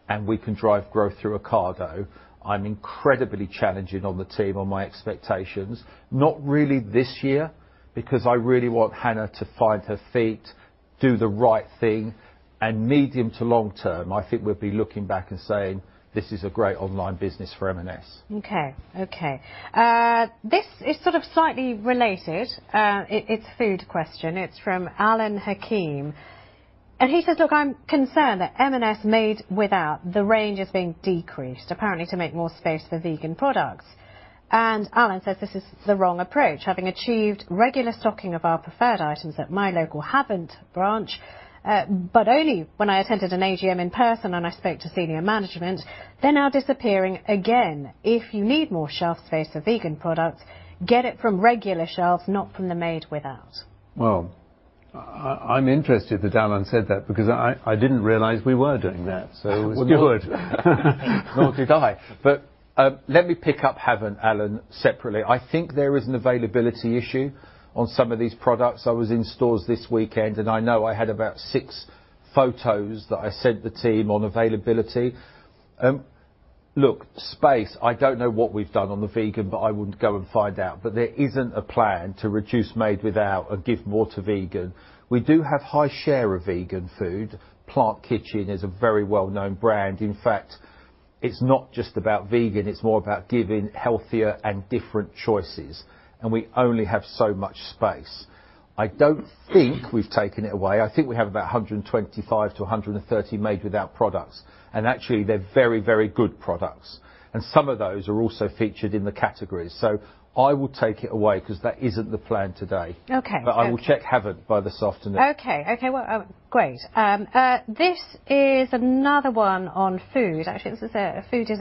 and we can drive growth through Ocado. I'm incredibly challenging on the team on my expectations, not really this year, because I really want Hannah to find her feet, do the right thing, and medium to long term, I think we'll be looking back and saying, this is a great online business for M&S. Okay. Okay, this is sort of slightly related. It's a food question. It's from Alan Hakim. He says: Look, I'm concerned that M&S Made Without, the range is being decreased, apparently to make more space for vegan products. Alan says, "This is the wrong approach, having achieved regular stocking of our preferred items at my local Haven branch, but only when I attended an AGM in person and I spoke to senior management, they're now disappearing again. If you need more shelf space for vegan products, get it from regular shelves, not from the Made Without. I'm interested that Alan said that because I didn't realize we were doing that. Nor did I. But let me pick up Haven, Alan, separately. I think there is an availability issue on some of these products. I was in stores this weekend, and I know I had about six photos that I sent the team on availability. Look, space, I don't know what we've done on the vegan, but I would go and find out. There isn't a plan to reduce Made Without and give more to vegan. We do have high share of vegan food. Plant Kitchen is a very well-known brand. In fact, it's not just about vegan, it's more about giving healthier and different choices, and we only have so much space. I don't think we've taken it away. I think we have about 125 to 130 Made Without products, and actually, they're very, very good products, and some of those are also featured in the categories. I would take it away because that isn't the plan today. Okay. I will check Haven by this afternoon. Okay. Okay, well, great. This is another one on food. Actually, this is food is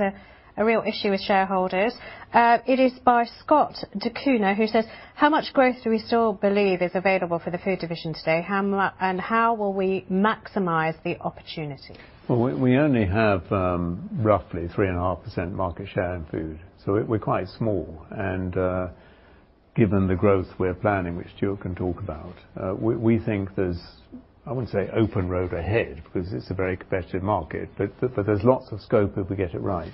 a real issue with shareholders. It is by Scott D'Cunha, who says: How much growth do we still believe is available for the food division today? And how will we maximize the opportunity? Well, we only have roughly 3.5% market share in food, so we're quite small, and given the growth we're planning, which Stuart can talk about, we think there's, I wouldn't say open road ahead, because it's a very competitive market, but there's lots of scope if we get it right.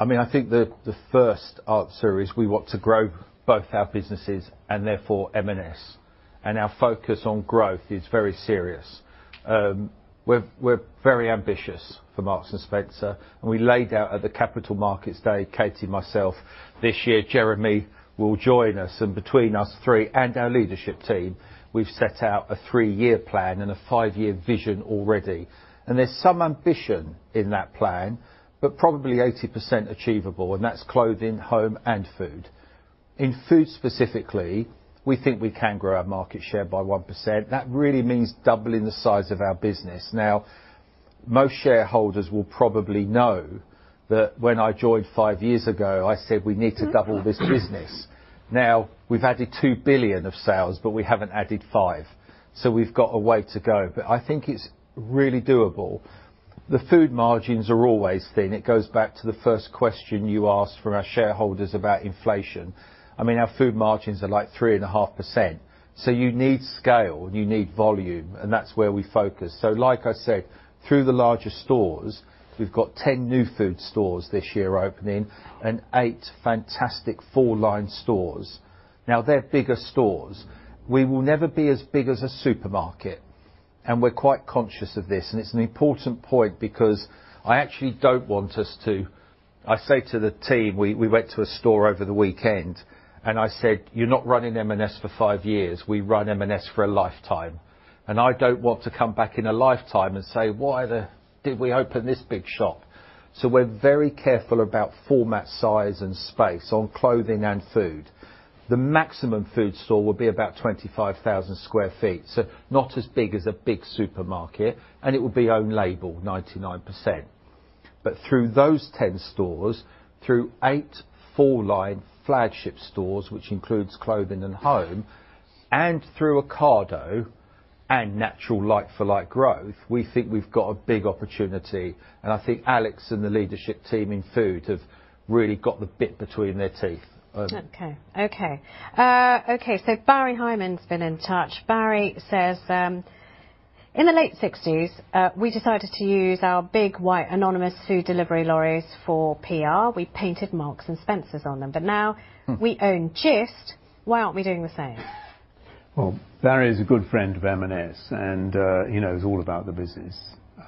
I mean, I think the first answer is we want to grow both our businesses and therefore M&S, and our focus on growth is very serious. We're very ambitious for Marks and Spencer, and we laid out at the Capital Markets Day, Katie and myself. This year, Jeremy will join us, and between us three and our leadership team, we've set out a three-year plan and a five-year vision already. There's some ambition in that plan, but probably 80% achievable, and that's clothing, home, and food. In food specifically, we think we can grow our market share by 1%. That really means doubling the size of our business. Most shareholders will probably know that when I joined 5 years ago, I said we need to double this business. We've added 2 billion of sales, but we haven't added 5 billion, so we've got a way to go, but I think it's really doable. The food margins are always thin. It goes back to the first question you asked from our shareholders about inflation. I mean, our food margins are, like, 3.5%, so you need scale, you need volume, and that's where we focus. Like I said, through the larger stores, we've got 10 new food stores this year opening and eight fantastic four-line stores. They're bigger stores. We will never be as big as a supermarket, and we're quite conscious of this, and it's an important point because I actually don't want us to... I say to the team, we went to a store over the weekend, and I said, "You're not running M&S for 5 years, we run M&S for a lifetime." I don't want to come back in a lifetime and say: Why did we open this big shop? We're very careful about format, size, and space on clothing and food. The maximum food store will be about 25,000 sq ft, so not as big as a big supermarket, and it will be own label, 99%. Through those 10 stores, through eight four-line flagship stores, which includes Clothing and Home, and through Ocado and natural like-for-like growth, we think we've got a big opportunity, and I think Alex and the leadership team in food have really got the bit between their teeth. Okay, Barry Hyman's been in touch. Barry says, In the late sixties, we decided to use our big, white, anonymous food delivery lorries for PR. We painted Marks and Spencer's on them, now- Mm. we own Gist. Why aren't we doing the same? Well, Barry is a good friend of M&S, and he knows all about the business.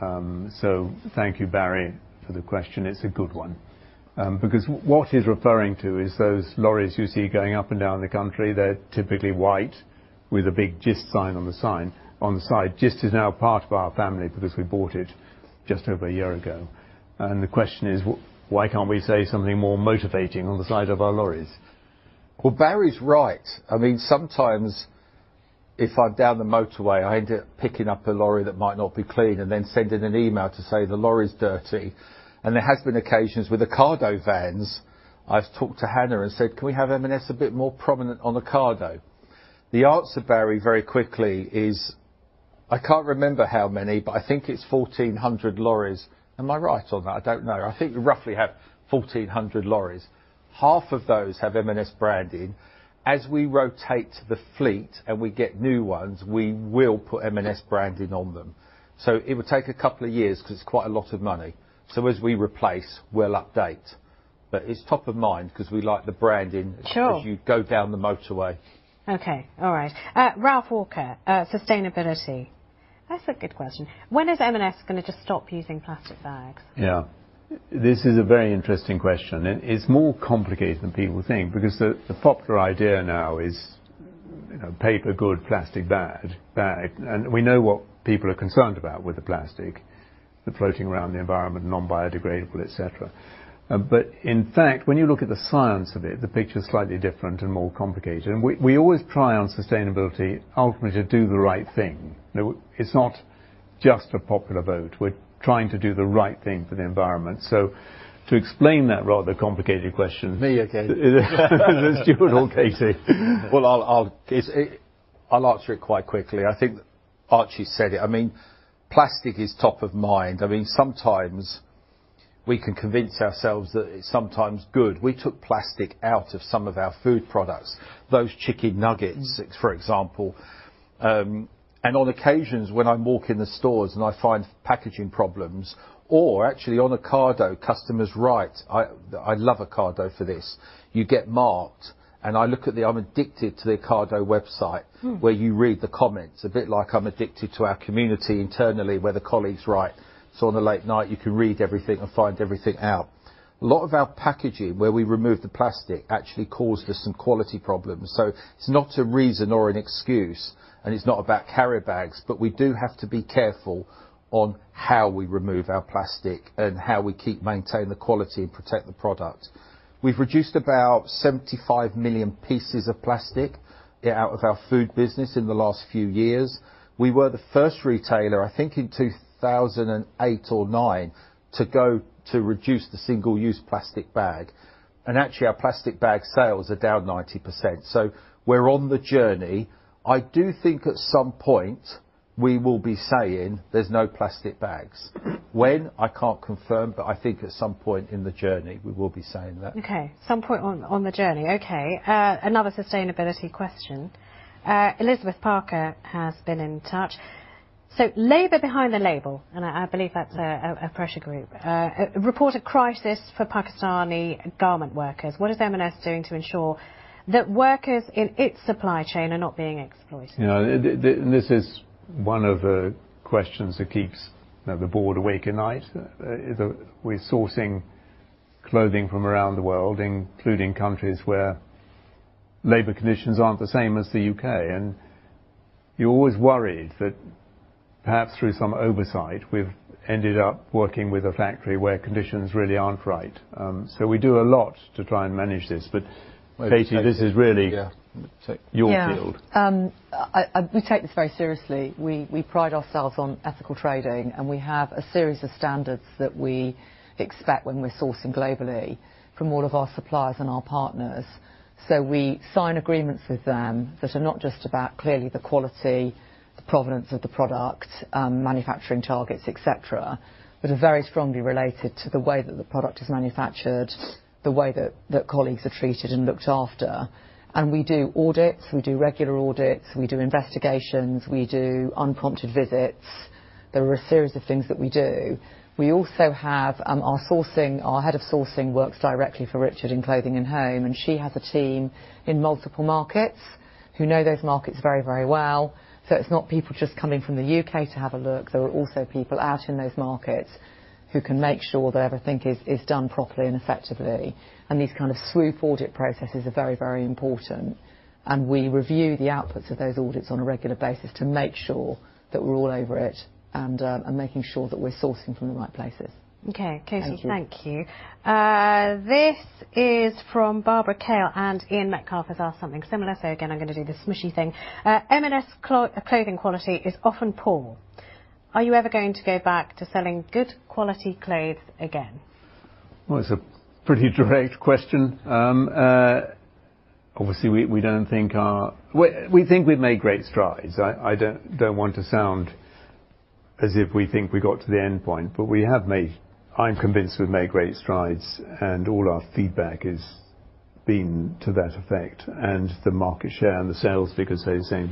Thank you, Barry, for the question. It's a good one. What he's referring to is those lorries you see going up and down the country. They're typically white with a big Gist sign on the sign, on the side. Gist is now a part of our family because we bought it just over a year ago. The question is, why can't we say something more motivating on the side of our lorries? Well, Barry's right. I mean, sometimes if I'm down the motorway, I end up picking up a lorry that might not be clean and then sending an email to say, "The lorry is dirty." There has been occasions with Ocado vans, I've talked to Hannah and said: Can we have M&S a bit more prominent on Ocado? The answer, Barry, very quickly is, I can't remember how many, but I think it's 1,400 lorries. Am I right on that? I don't know. I think we roughly have 1,400 lorries. Half of those have M&S branding. As we rotate the fleet and we get new ones, we will put M&S branding on them. It would take a couple of years because it's quite a lot of money. As we replace, we'll update. It's top of mind because we like the branding. Sure. as you go down the motorway. Okay, all right. Ralph Walker, sustainability. That's a good question. When is M&S going to just stop using plastic bags? Yeah, this is a very interesting question. It's more complicated than people think, because the popular idea now is, you know, paper good, plastic bad, bag. We know what people are concerned about with the plastic, they're floating around the environment, non-biodegradable, et cetera. In fact, when you look at the science of it, the picture is slightly different and more complicated. We always try on sustainability, ultimately, to do the right thing. No, it's not just a popular vote. We're trying to do the right thing for the environment. To explain that rather complicated question. Me again. Stuart or Katie. I'll answer it quite quickly. I think Archie said it. I mean, plastic is top of mind. I mean, sometimes we can convince ourselves that it's sometimes good. We took plastic out of some of our food products, those chicken nuggets. Mm. For example. On occasions, when I'm walking the stores and I find packaging problems, or actually on Ocado, customers write, I love Ocado for this, you get marked. I look at the, I'm addicted to the Ocado website. Mm. where you read the comments, a bit like I'm addicted to our community internally, where the colleagues write. On a late night, you can read everything and find everything out. A lot of our packaging, where we removed the plastic, actually caused us some quality problems. It's not a reason or an excuse, and it's not about carrier bags, but we do have to be careful on how we remove our plastic and how we keep, maintain the quality and protect the product. We've reduced about 75 million pieces of plastic out of our food business in the last few years. We were the first retailer, I think in 2008 or 2009, to go to reduce the single-use plastic bag. Actually, our plastic bag sales are down 90%, so we're on the journey. I do think at some point we will be saying there's no plastic bags. When? I can't confirm, but I think at some point in the journey, we will be saying that. Okay, some point on the journey. Okay, another sustainability question. Elizabeth Parker has been in touch. Labour Behind the Label, and I believe that's a, a pressure group, reported crisis for Pakistani garment workers. What is M&S doing to ensure that workers in its supply chain are not being exploited? You know, this is one of the questions that keeps the board awake at night. We're sourcing clothing from around the world, including countries where labor conditions aren't the same as the UK, and you're always worried that perhaps through some oversight, we've ended up working with a factory where conditions really aren't right. We do a lot to try and manage this, but We take this very seriously. We pride ourselves on ethical trading. We have a series of standards that we expect when we're sourcing globally from all of our suppliers and our partners. We sign agreements with them that are not just about clearly the quality, the provenance of the product, manufacturing targets, et cetera, but are very strongly related to the way that the product is manufactured, the way that colleagues are treated and looked after. We do audits, we do regular audits, we do investigations, we do unprompted visits. There are a series of things that we do. We also have our sourcing, our head of sourcing works directly for Richard Price in Clothing & Home. She has a team in multiple markets who know those markets very, very well. It's not people just coming from the U.K. to have a look. There are also people out in those markets who can make sure that everything is done properly and effectively. These kind of smooth audit processes are very, very important, and we review the outputs of those audits on a regular basis to make sure that we're all over it, and making sure that we're sourcing from the right places. Okay, Katie, Thank you. Thank you. This is from Barbara Kale, Ian Metcalfe has asked something similar. Again, I'm going to do this smushy thing. M&S clothing quality is often poor. Are you ever going to go back to selling good quality clothes again? Well, it's a pretty direct question. obviously, We think we've made great strides. I don't want to sound as if we think we got to the end point, but I'm convinced we've made great strides, and all our feedback is positive. Been to that effect, and the market share, and the sales figures, they're saying.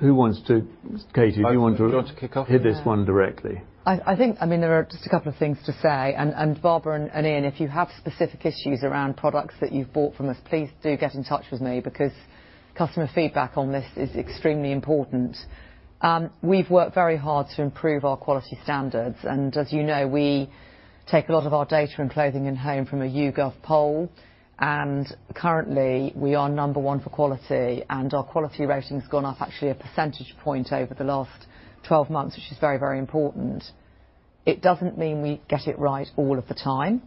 Who wants to, Katie, do you want to? Hit this one directly? I think, I mean, there are just a couple of things to say, and Barbara and Ian, if you have specific issues around products that you've bought from us, please do get in touch with me, because customer feedback on this is extremely important. We've worked very hard to improve our quality standards. As you know, we take a lot of our data in clothing and home from a YouGov poll. Currently, we are number one for quality. Our quality rating's gone up actually a percentage point over the last 12 months, which is very, very important. It doesn't mean we get it right all of the time.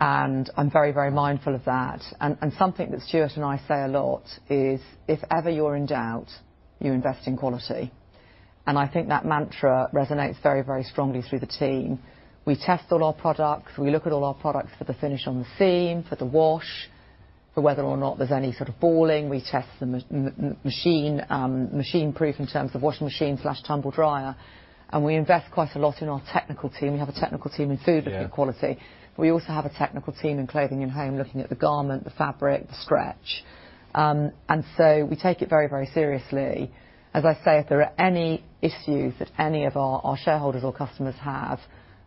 I'm very, very mindful of that. Something that Stuart and I say a lot is, "If ever you're in doubt, you invest in quality." I think that mantra resonates very, very strongly through the team. We test all our products. We look at all our products for the finish on the seam, for the wash, for whether or not there's any sort of balling. We test the machine proof in terms of washing machine/tumble dryer, and we invest quite a lot in our technical team. We have a technical team in food- Yeah... looking at quality. We also have a technical team in Clothing & Home, looking at the garment, the fabric, the stretch. We take it very, very seriously. As I say, if there are any issues that any of our shareholders or customers have,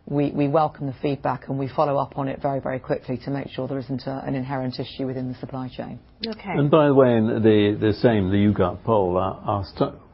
we welcome the feedback, and we follow up on it very, very quickly to make sure there isn't an inherent issue within the supply chain. Okay. By the way, in the same, the YouGov poll,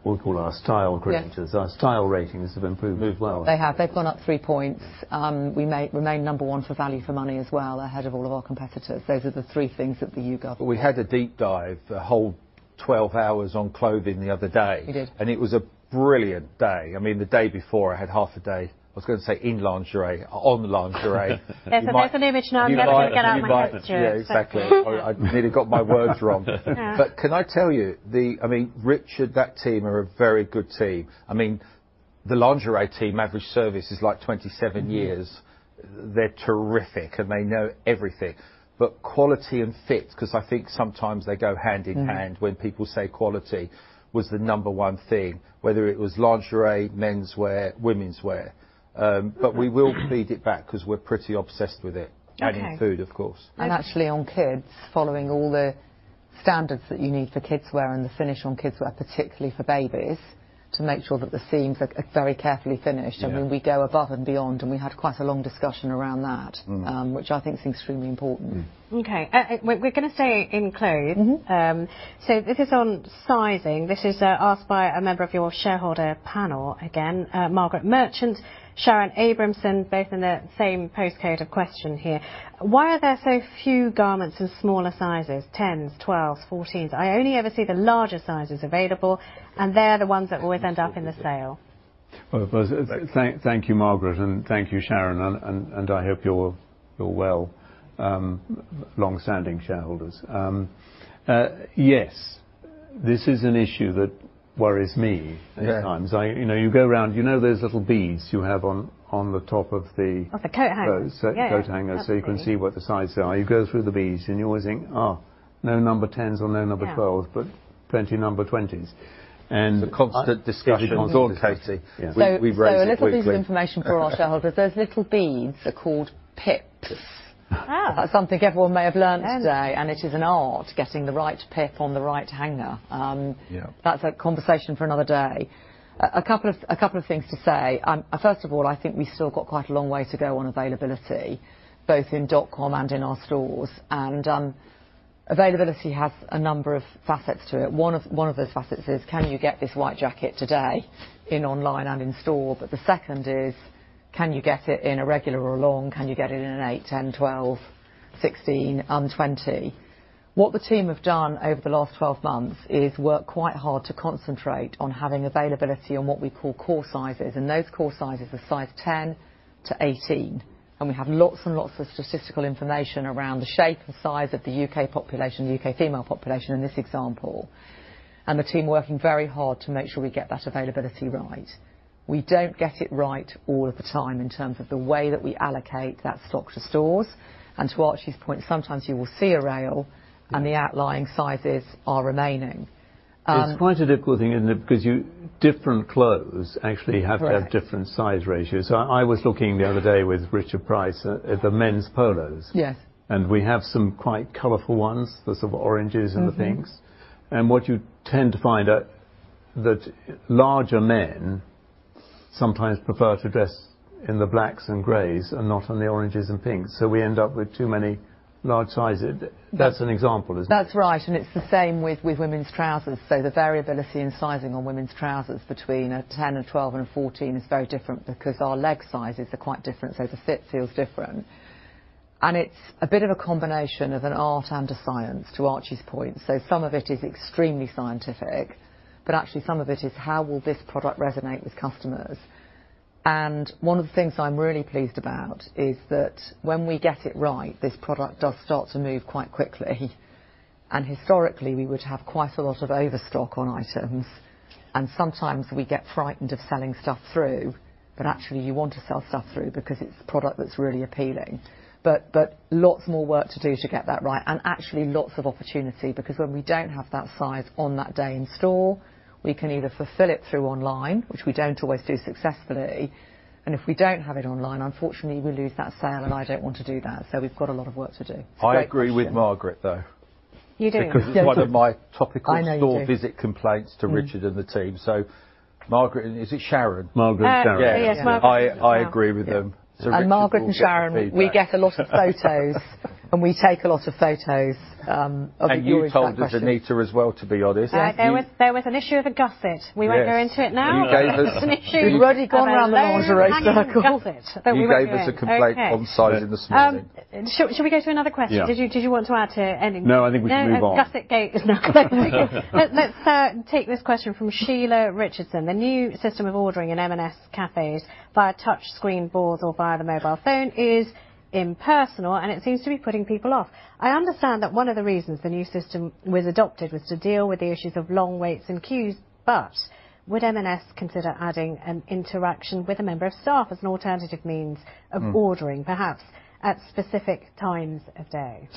we call our style creditors. Yes. Our style ratings have improved as well. They have. They've gone up three points. We remain one for value, for money as well, ahead of all of our competitors. Those are the three things that the YouGov- We had a deep dive, a whole 12 hours on clothing the other day. We did. It was a brilliant day. I mean, the day before, I had half a day, I was gonna say in lingerie, on lingerie. Yes, You liked it. You liked it. Yeah, exactly. I nearly got my words wrong Yeah. Can I tell you, I mean, Richard, that team are a very good team. I mean, the lingerie team, average service is like 27 years. They're terrific, and they know everything. Quality and fit, 'cause I think sometimes they go hand in hand- Mm-hmm... when people say quality, was the number one theme, whether it was lingerie, menswear, womenswear. We will feed it back 'cause we're pretty obsessed with it. Okay. In food, of course. Actually, on kids, following all the standards that you need for kidswear and the finish on kidswear, particularly for babies, to make sure that the seams are very carefully finished. Yeah. I mean, we go above and beyond, and we had quite a long discussion around that. Mm... which I think is extremely important. Mm. Okay, we're gonna stay in clothes. This is on sizing. This is asked by a member of your shareholder panel again, Margaret Marchant, Sharon Abramson, both in the same postcode of question here: "Why are there so few garments in smaller sizes, 10s, 12s, 14s? I only ever see the larger sizes available, and they're the ones that always end up in the sale. First, thank you, Margaret. Thank you, Sharon. I hope you're well, long-standing shareholders. Yes, this is an issue that worries me at times. Yeah. You know, you go around, you know those little beads you have on the top of. Of the coat hanger. So- Yeah... coat hanger, so you can see what the sizes are. You go through the beads. You always think, Oh, no number 10s or no number 12s... Yeah plenty of number 20s. It's a constant discussion with all, Katie. We raise it weekly. A little bit of information for our shareholders. Those little beads are called pips. Ah. That's something everyone may have learned today. Yes... and it is an art, getting the right pip on the right hanger. Yeah... that's a conversation for another day. A couple of things to say. First of all, I think we've still got quite a long way to go on availability, both in dotcom and in our stores, and availability has a number of facets to it. One of those facets is: Can you get this white jacket today in online and in store? The second is: Can you get it in a regular or long? Can you get it in an 8, 10, 12, 16, and 20? What the team have done over the last 12 months is work quite hard to concentrate on having availability on what we call core sizes, and those core sizes are size 10 to 18. We have lots and lots of statistical information around the shape and size of the UK population, the UK female population, in this example, and the team are working very hard to make sure we get that availability right. We don't get it right all of the time in terms of the way that we allocate that stock to stores, and to Archie's point, sometimes you will see and the outlying sizes are remaining. It's quite a difficult thing, isn't it? Different clothes actually different size ratios. I was looking the other day with Richard Price at the men's polos. Yes. We have some quite colorful ones, the sort of oranges- Mm-hmm... and the pinks. What you'd tend to find out, that larger men sometimes prefer to dress in the blacks and grays and not in the oranges and pinks, so we end up with too many large sizes. Yes. That's an example, isn't it? That's right. It's the same with women's trousers. The variability in sizing on women's trousers between a 10 and a 12 and a 14 is very different because our leg sizes are quite different, so the fit feels different. It's a bit of a combination of an art and a science, to Archie's point. Some of it is extremely scientific, but actually, some of it is, how will this product resonate with customers? One of the things I'm really pleased about is that when we get it right, this product does start to move quite quickly. Historically, we would have quite a lot of overstock on items, and sometimes we get frightened of selling stuff through, but actually, you want to sell stuff through because it's product that's really appealing. Lots more work to do to get that right, and actually, lots of opportunity, because when we don't have that size on that day in store, we can either fulfill it through online, which we don't always do successfully, and if we don't have it online, unfortunately, we lose that sale, and I don't want to do that. We've got a lot of work to do. I agree with Margaret, though. You do? Because it's one of my topical- I know you do. -store visit complaints to Richard and the team. Margaret, and is it Sharon? Margaret and Sharon. Yes, Margaret. I agree with them. Margaret and Sharon, we get a lot of photos, and w e take a lot of photos, of your questions. You told Anita as well, to be honest. Yeah, there was an issue of a gusset. Yes. We won't go into it now. You gave. We've already gone around the lingerie cycle. A hanging gusset. You gave us a complaint on size of the smocking. Shall we go to another question? Yeah. Did you want to add to anything? No, I think we should move on. No, gusset gate is not... Let's take this question from Sheila Richardson: "The new system of ordering in M&S cafes via touchscreen boards or via the mobile phone is impersonal, it seems to be putting people off. I understand that one of the reasons the new system was adopted was to deal with the issues of long waits and queues, but would M&S consider adding an interaction with a member of staff as an alternative means of ordering- Mm. perhaps at specific times of day?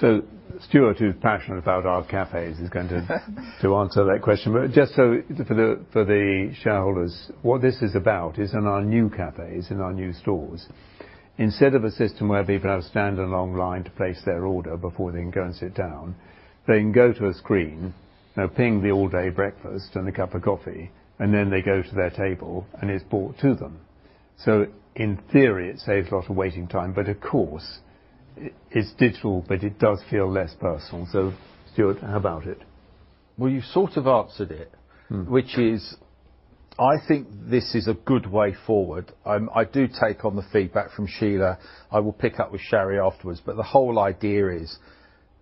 Stuart, who's passionate about our cafes, is going to answer that question. Just so, for the shareholders, what this is about is in our new cafes, in our new stores, instead of a system where people have to stand in a long line to place their order before they can go and sit down, they can go to a screen, you know, ping the all-day breakfast and a cup of coffee, and then they go to their table, and it's brought to them. In theory, it saves a lot of waiting time, but of course, it's digital, but it does feel less personal. Stuart, how about it? Well, you sort of answered it. Mm. Which is, I think this is a good way forward. I do take on the feedback from Sheila. I will pick up with Sharry afterwards, the whole idea is,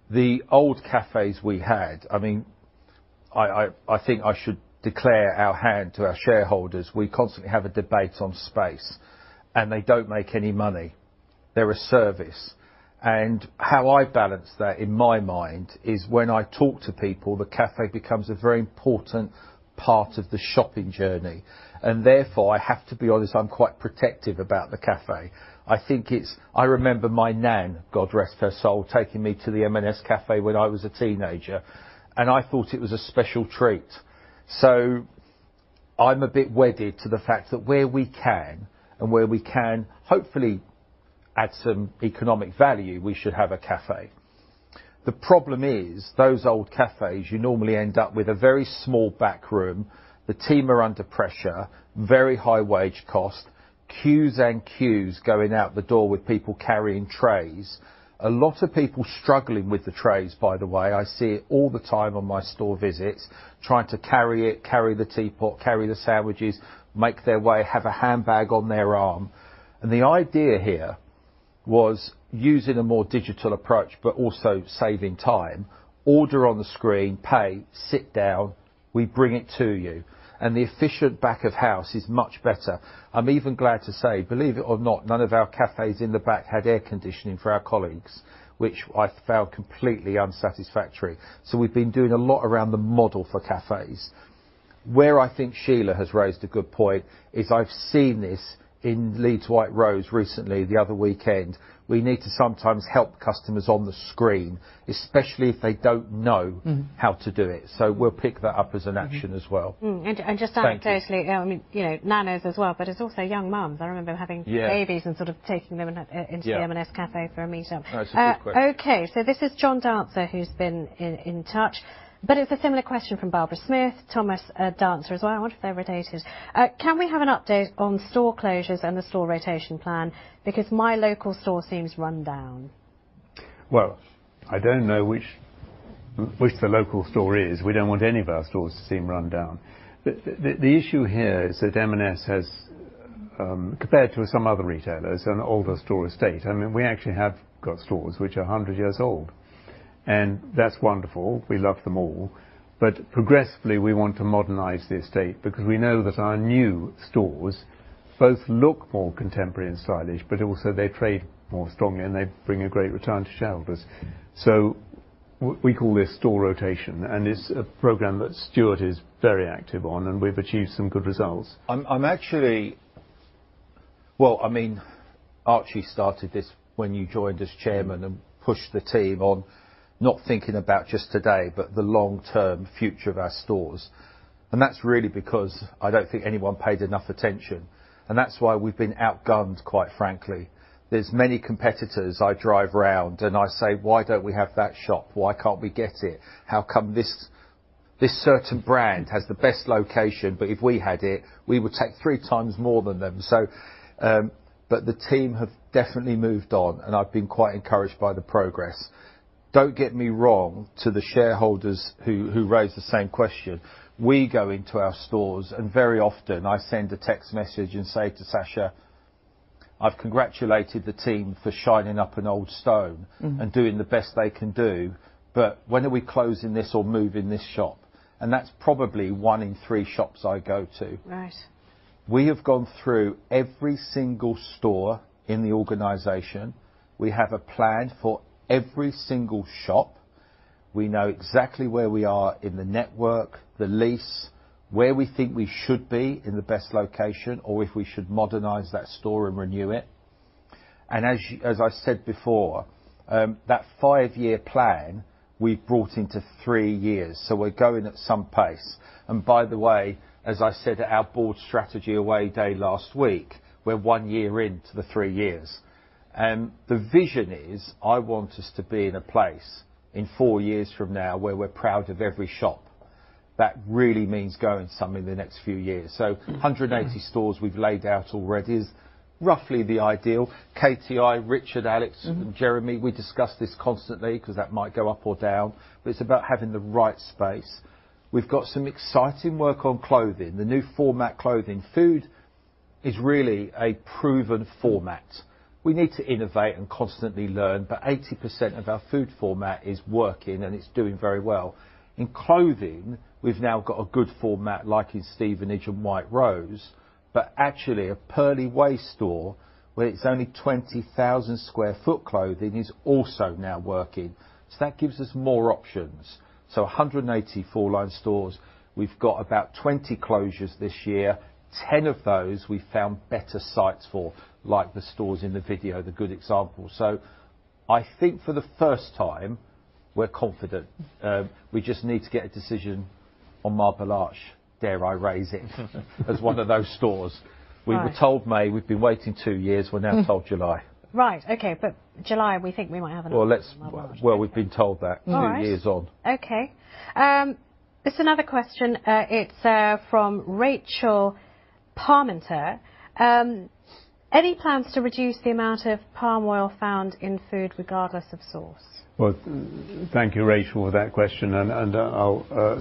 the old cafes we had... I mean, I think I should declare our hand to our shareholders. We constantly have a debate on space, they don't make any money. They're a service, how I balance that in my mind is when I talk to people, the cafe becomes a very important part of the shopping journey. Therefore, I have to be honest, I'm quite protective about the cafe. I remember my nan, God rest her soul, taking me to the M&S cafe when I was a teenager, I thought it was a special treat. I'm a bit wedded to the fact that where we can, and where we can hopefully add some economic value, we should have a café. The problem is, those old cafés, you normally end up with a very small back room. The team are under pressure, very high wage cost, queues and queues going out the door with people carrying trays. A lot of people struggling with the trays, by the way. I see it all the time on my store visits, trying to carry it, carry the teapot, carry the sandwiches, make their way, have a handbag on their arm. The idea here was using a more digital approach but also saving time. Order on the screen, pay, sit down, we bring it to you, and the efficient back of house is much better. I'm even glad to say, believe it or not, none of our cafes in the back had air conditioning for our colleagues, which I found completely unsatisfactory. We've been doing a lot around the model for cafes. Where I think Sheila has raised a good point is I've seen this in Leeds White Rose recently, the other weekend. We need to sometimes help customers on the screen, especially if they don't know. Mm... how to do it. We'll pick that up as an action as well. Mm-hmm. Thank you. just to actually, I mean, you know, nan is as well, but it's also young moms. I remember. Yeah... babies and sort of taking them in. Yeah... M&S cafe for a meet up. That's a good point. Okay, this is John Dancer, who's been in touch. It's a similar question from Barbara Smith. Thomas Dancer as well. I wonder if they're related. "Can we have an update on store closures and the store rotation plan? Because my local store seems run down. Well, I don't know which the local store is. We don't want any of our stores to seem run down. The issue here is that M&S has compared to some other retailers, an older store estate. I mean, we actually have got stores which are 100 years old, and that's wonderful. We love them all. Progressively, we want to modernize the estate because we know that our new stores both look more contemporary and stylish, but also they trade more strongly, and they bring a great return to shareholders. We call this store rotation, and it's a program that Stuart is very active on, and we've achieved some good results. I'm actually Well, I mean, Archie started this when you joined as Chairman and pushed the team on not thinking about just today, but the long-term future of our stores. That's really because I don't think anyone paid enough attention, and that's why we've been outgunned, quite frankly. There's many competitors, I drive around, and I say: 'Why don't we have that shop? Why can't we get it? How come this certain brand has the best location, but if we had it, we would take three times more than them?' But the team have definitely moved on, and I've been quite encouraged by the progress. Don't get me wrong, to the shareholders who raised the same question, we go into our stores, and very often I send a text message and say to Sacha: "I've congratulated the team for shining up an old stone- Mm-hmm... and doing the best they can do, but when are we closing this or moving this shop?" That's probably one in three shops I go to. Right. We have gone through every single store in the organization. We have a plan for every single shop. We know exactly where we are in the network, the lease, where we think we should be in the best location, or if we should modernize that store and renew it. As you, as I said before, that 5-year plan, we've brought into 3 years, so we're going at some pace. By the way, as I said at our board strategy away day last week, we're 1 year into the 3 years. The vision is: I want us to be in a place in 4 years from now, where we're proud of every shop. That really means growing some in the next few years. Mm-hmm. 180 stores we've laid out already is roughly the ideal. Katie, Richard, Alex. Mm. Jeremy, we discuss this constantly, because that might go up or down, but it's about having the right space. We've got some exciting work on clothing, the new format clothing. Food is really a proven format. We need to innovate and constantly learn, 80% of our food format is working, and it's doing very well. In clothing, we've now got a good format, like in Stevenage and White Rose, but actually, a Purley Way store, where it's only 20,000 sq ft clothing, is also now working. That gives us more options. So, 184 line stores, we've got about 20 closures this year. 10 of those, we've found better sites for, like the stores in the video, the good examples. I think for the first time, we're confident. We just need to get a decision on Marble Arch. Dare I raise it, as one of those stores? Right. We were told May, we've been waiting two years... Mm. We're now told July. Right. Okay, July, we think we might have another one. Well. All right. Okay. There's another question, it's from Rachel Palmiter. Any plans to reduce the amount of palm oil found in food, regardless of source? Well, thank you, Rachel, for that question, and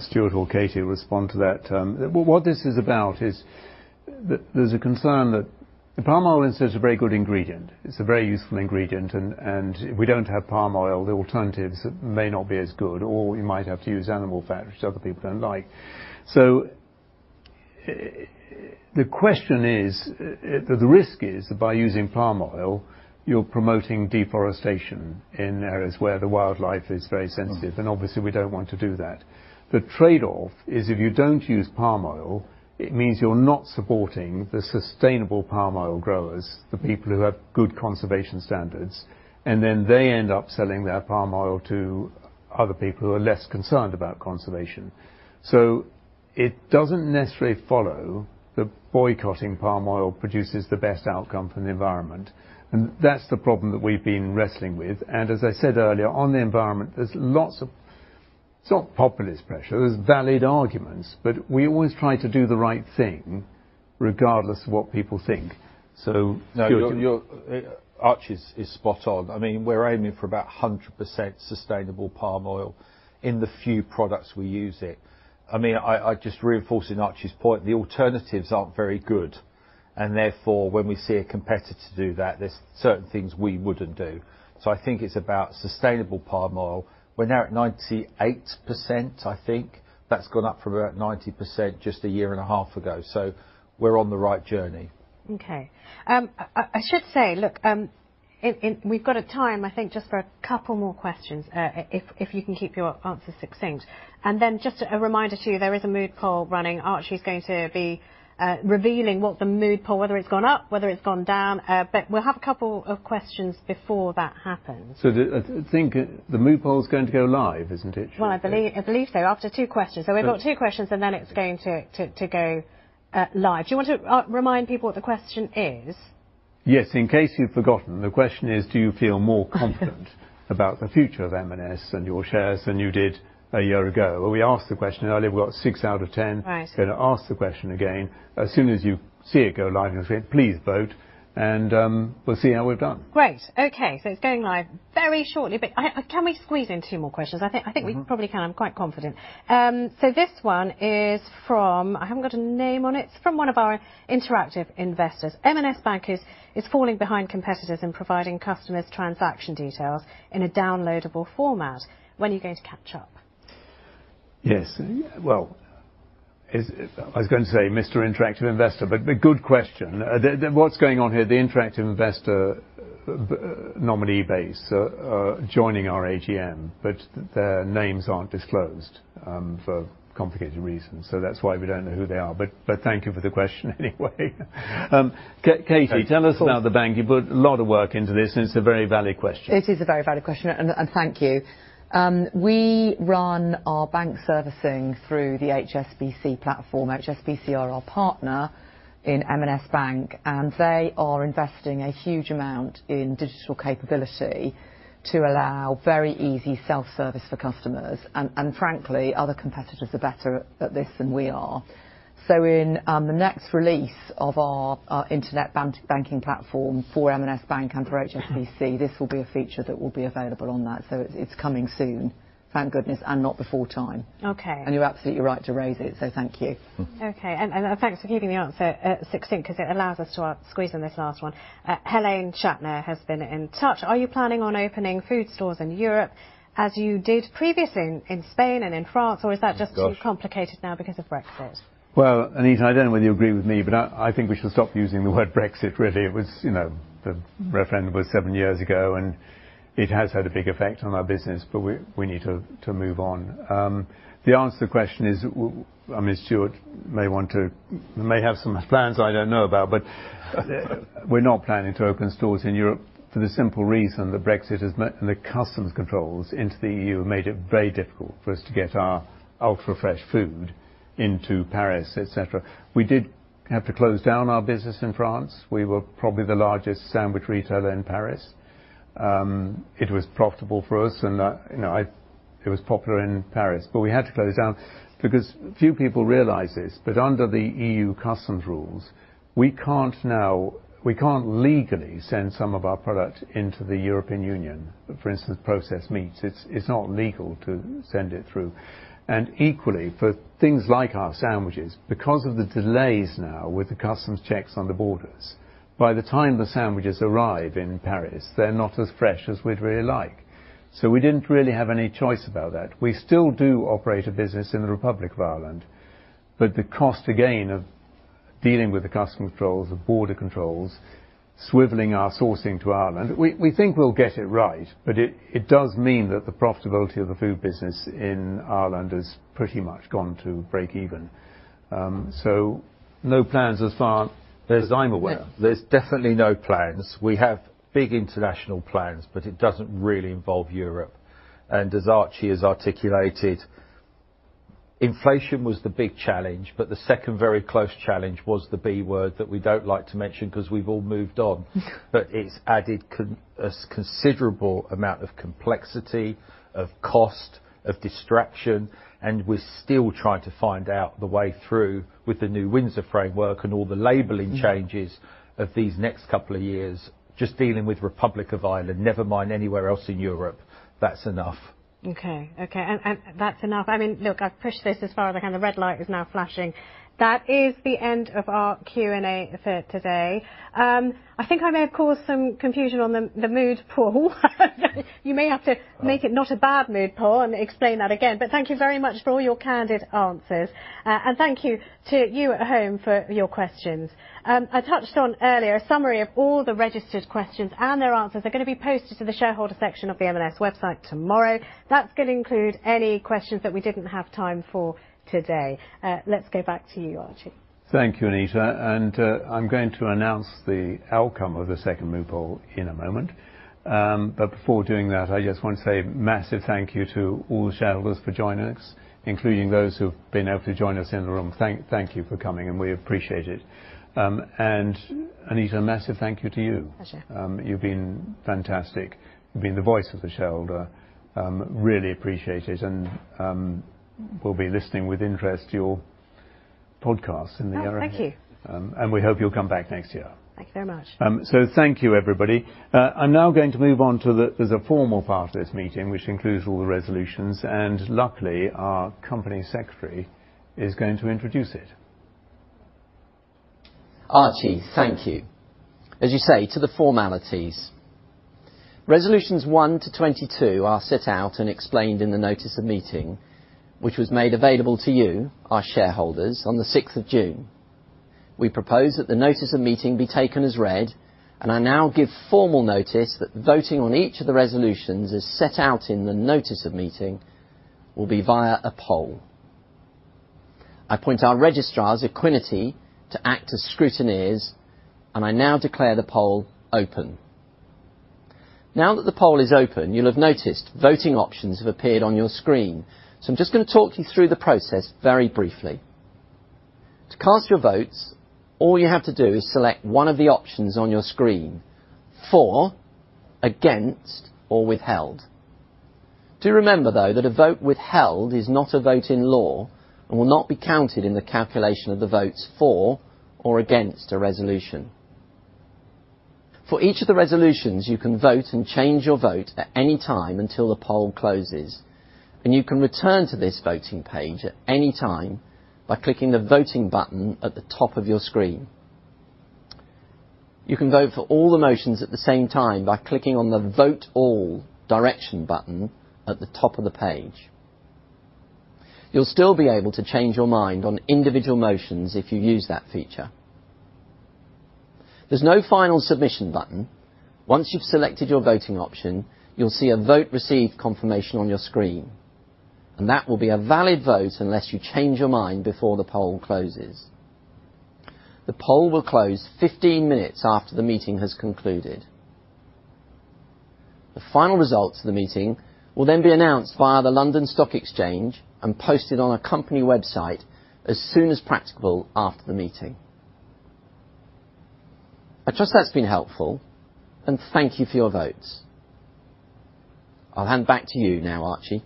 Stuart or Katie will respond to that. What this is about is that there's a concern that the palm oil is such a very good ingredient. It's a very useful ingredient, and if we don't have palm oil, the alternatives may not be as good, or we might have to use animal fat, which other people don't like. The question is, the risk is by using palm oil, you're promoting deforestation in areas where the wildlife is very sensitive, and obviously, we don't want to do that. The trade-off is, if you don't use palm oil, it means you're not supporting the sustainable palm oil growers, the people who have good conservation standards, and then they end up selling their palm oil to other people who are less concerned about conservation. It doesn't necessarily follow that boycotting palm oil produces the best outcome for the environment, and that's the problem that we've been wrestling with. As I said earlier, on the environment, it's not populist pressure, there's valid arguments, but we always try to do the right thing, regardless of what people think. No, you're Archie is spot on. I mean, we're aiming for about 100% sustainable palm oil in the few products we use it. I mean, I just reinforce in Archie's point, the alternatives aren't very good, therefore, when we see a competitor do that, there's certain things we wouldn't do. I think it's about sustainable palm oil. We're now at 98%, I think. That's gone up from about 90% just a year and a half ago, we're on the right journey. Okay. I should say, look, we've got a time, I think, just for a couple more questions, if you can keep your answers succinct and then just a reminder to you, there is a mood poll running. Archie is going to be revealing what the mood poll, whether it's gone up, whether it's gone down, we'll have a couple of questions before that happens. The, I think, the mood poll is going to go live, isn't it? Well, I believe so, after two questions. Yeah. We've got two questions, and then it's going to go live. Do you want to remind people what the question is? Yes, in case you've forgotten, the question is: Do you feel more confident about the future of M&S and your shares than you did a year ago? We asked the question earlier, we've got six out of ten. Right. Gonna ask the question again. As soon as you see it go live, please vote, and we'll see how we've done. Great, okay. It's going live very shortly, but I, can we squeeze in two more questions? Mm. I think we probably can. I'm quite confident. This one is from... I haven't got a name on it. It's from one of our interactive investor. M&S Bank is falling behind competitors in providing customers transaction details in a downloadable format. When are you going to catch up? Yes. Well, is, I was going to say, Mr. Interactive Investor, good question. The, what's going on here, the Interactive Investor nominee base are joining our AGM, their names aren't disclosed for complicated reasons. That's why we don't know who they are, thank you for the question anyway. Katie tell us about the bank. You put a lot of work into this, and it's a very valid question. It is a very valid question, and thank you. We run our bank servicing through the HSBC platform. HSBC are our partner in M&S Bank, and they are investing a huge amount in digital capability to allow very easy self-service for customers, and frankly, other competitors are better at this than we are. In the next release of our internet banking platform for M&S Bank and for HSBC, this will be a feature that will be available on that, so it's coming soon, thank goodness, and not before time. Okay. You're absolutely right to raise it, so thank you. Mm. Okay, and thanks for giving the answer, succinct, 'cause it allows us to squeeze in this last one. Helene Shatner has been in touch: Are you planning on opening food stores in Europe, as you did previously in Spain and in France, or is that? too complicated now because of? Well, Anita, I don't know whether you agree with me, but I think we should stop using the word Brexit, really. It was, you know, the referendum was 7 years ago. It has had a big effect on our business, we need to move on. The answer to the question is, well, I mean, Stuart may have some plans I don't know about, we're not planning to open stores in Europe for the simple reason that Brexit has meant, and the customs controls into the EU have made it very difficult for us to get our ultra-fresh food-... into Paris, etc. We did have to close down our business in France. We were probably the largest sandwich retailer in Paris. It was profitable for us, and, you know, it was popular in Paris, but we had to close down because few people realize this, but under the EU customs rules, we can't now legally send some of our product into the European Union, for instance, processed meats. It's not legal to send it through and equally, for things like our sandwiches, because of the delays now with the customs checks on the borders, by the time the sandwiches arrive in Paris, they're not as fresh as we'd really like. So, we didn't really have any choice about that. We still do operate a business in the Republic of Ireland, the cost, again, of dealing with the customs controls, the border controls, swiveling our sourcing to Ireland. We think we'll get it right, but it does mean that the profitability of the food business in Ireland is pretty much gone to breakeven. No plans as far as I'm aware. There's definitely no plans. We have big international plans, but it doesn't really involve Europe. As Archie has articulated, inflation was the big challenge, but the second very close challenge was the B word that we don't like to mention 'cause we've all moved on. It's added a considerable amount of complexity, of cost, of distraction, and we're still trying to find out the way through with the new Windsor Framework and all the labeling changes. Mm. of these next couple of years, just dealing with Republic of Ireland, never mind anywhere else in Europe. That's enough. Okay. That's enough. I mean, look, I've pushed this as far as I can. The red light is now flashing. That is the end of our Q&A for today. I think I may have caused some confusion on the mood poll. Oh. -make it not a bad mood poll and explain that again. Thank you very much for all your candid answers. Thank you to you at home for your questions. I touched on earlier, a summary of all the registered questions and their answers are going to be posted to the shareholder section of the M&S website tomorrow. That's going to include any questions that we didn't have time for today. Let's go back to you, Archie. Thank you, Anita. I'm going to announce the outcome of the second mood poll in a moment. Before doing that, I just want to say a massive thank you to all the shareholders for joining us, including those who've been able to join us in the room. Thank you for coming, and we appreciate it. Anita, a massive thank you to you. Pleasure. You've been fantastic. You've been the voice of the shareholder, really appreciate it, and we'll be listening with interest to your podcast in the area. Oh, thank you. We hope you'll come back next year. Thank you very much. Thank you, everybody. I'm now going to move on. There's a formal part of this meeting, which includes all the resolutions, and luckily, our Company Secretary is going to introduce it. Archie, thank you. As you say, to the formalities. Resolutions one to 22 are set out and explained in the notice of meeting, which was made available to you, our shareholders, on the 6th of June. We propose that the notice of meeting be taken as read, and I now give formal notice that voting on each of the resolutions is set out in the notice of meeting will be via a poll. I point our registrar, Equiniti, to act as scrutineers, and I now declare the poll open. Now that the poll is open, you'll have noticed voting options have appeared on your screen. I'm just gonna talk you through the process very briefly. To cast your votes, all you have to do is select one of the options on your screen: for, against, or withheld. Do remember, though, that a vote withheld is not a vote in law and will not be counted in the calculation of the votes for or against a resolution. For each of the resolutions, you can vote and change your vote at any time until the poll closes, and you can return to this voting page at any time by clicking the Voting button at the top of your screen. You can vote for all the motions at the same time by clicking on the Vote All direction button at the top of the page. You'll still be able to change your mind on individual motions if you use that feature. There's no final submission button. Once you've selected your voting option, you'll see a Vote Received confirmation on your screen, and that will be a valid vote unless you change your mind before the poll closes. The poll will close 15 minutes after the meeting has concluded. The final results of the meeting will then be announced via the London Stock Exchange and posted on our company website as soon as practicable after the meeting. I trust that's been helpful, and thank you for your votes. I'll hand back to you now, Archie.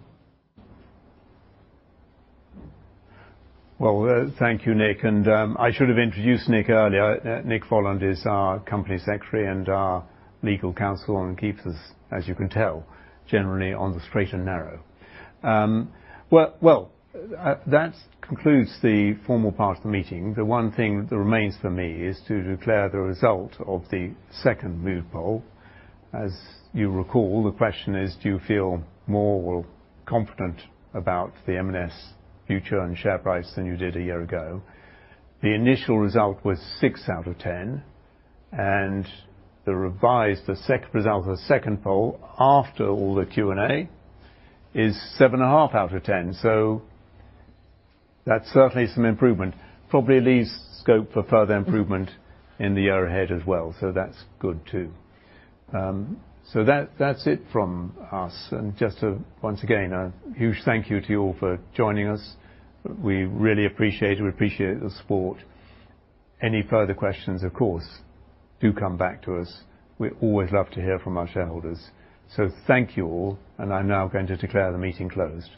Thank you, Nick, I should have introduced Nick earlier. Nick Folland is our company secretary and our legal counsel, keeps us, as you can tell, generally on the straight and narrow. That concludes the formal part of the meeting. The one thing that remains for me is to declare the result of the second mood poll. As you recall, the question is: Do you feel more confident about the M&S future and share price than you did a year ago? The initial result was six out of 10, the revised result of the second poll, after all the Q&A, is 7.5 out of 10. That's certainly some improvement. Probably leaves scope for further improvement.... in the year ahead as well, so that's good, too. That, that's it from us. Just to, once again, a huge thank you to you all for joining us. We really appreciate it. We appreciate the support. Any further questions, of course, do come back to us. We always love to hear from our shareholders. Thank you all, and I'm now going to declare the meeting closed.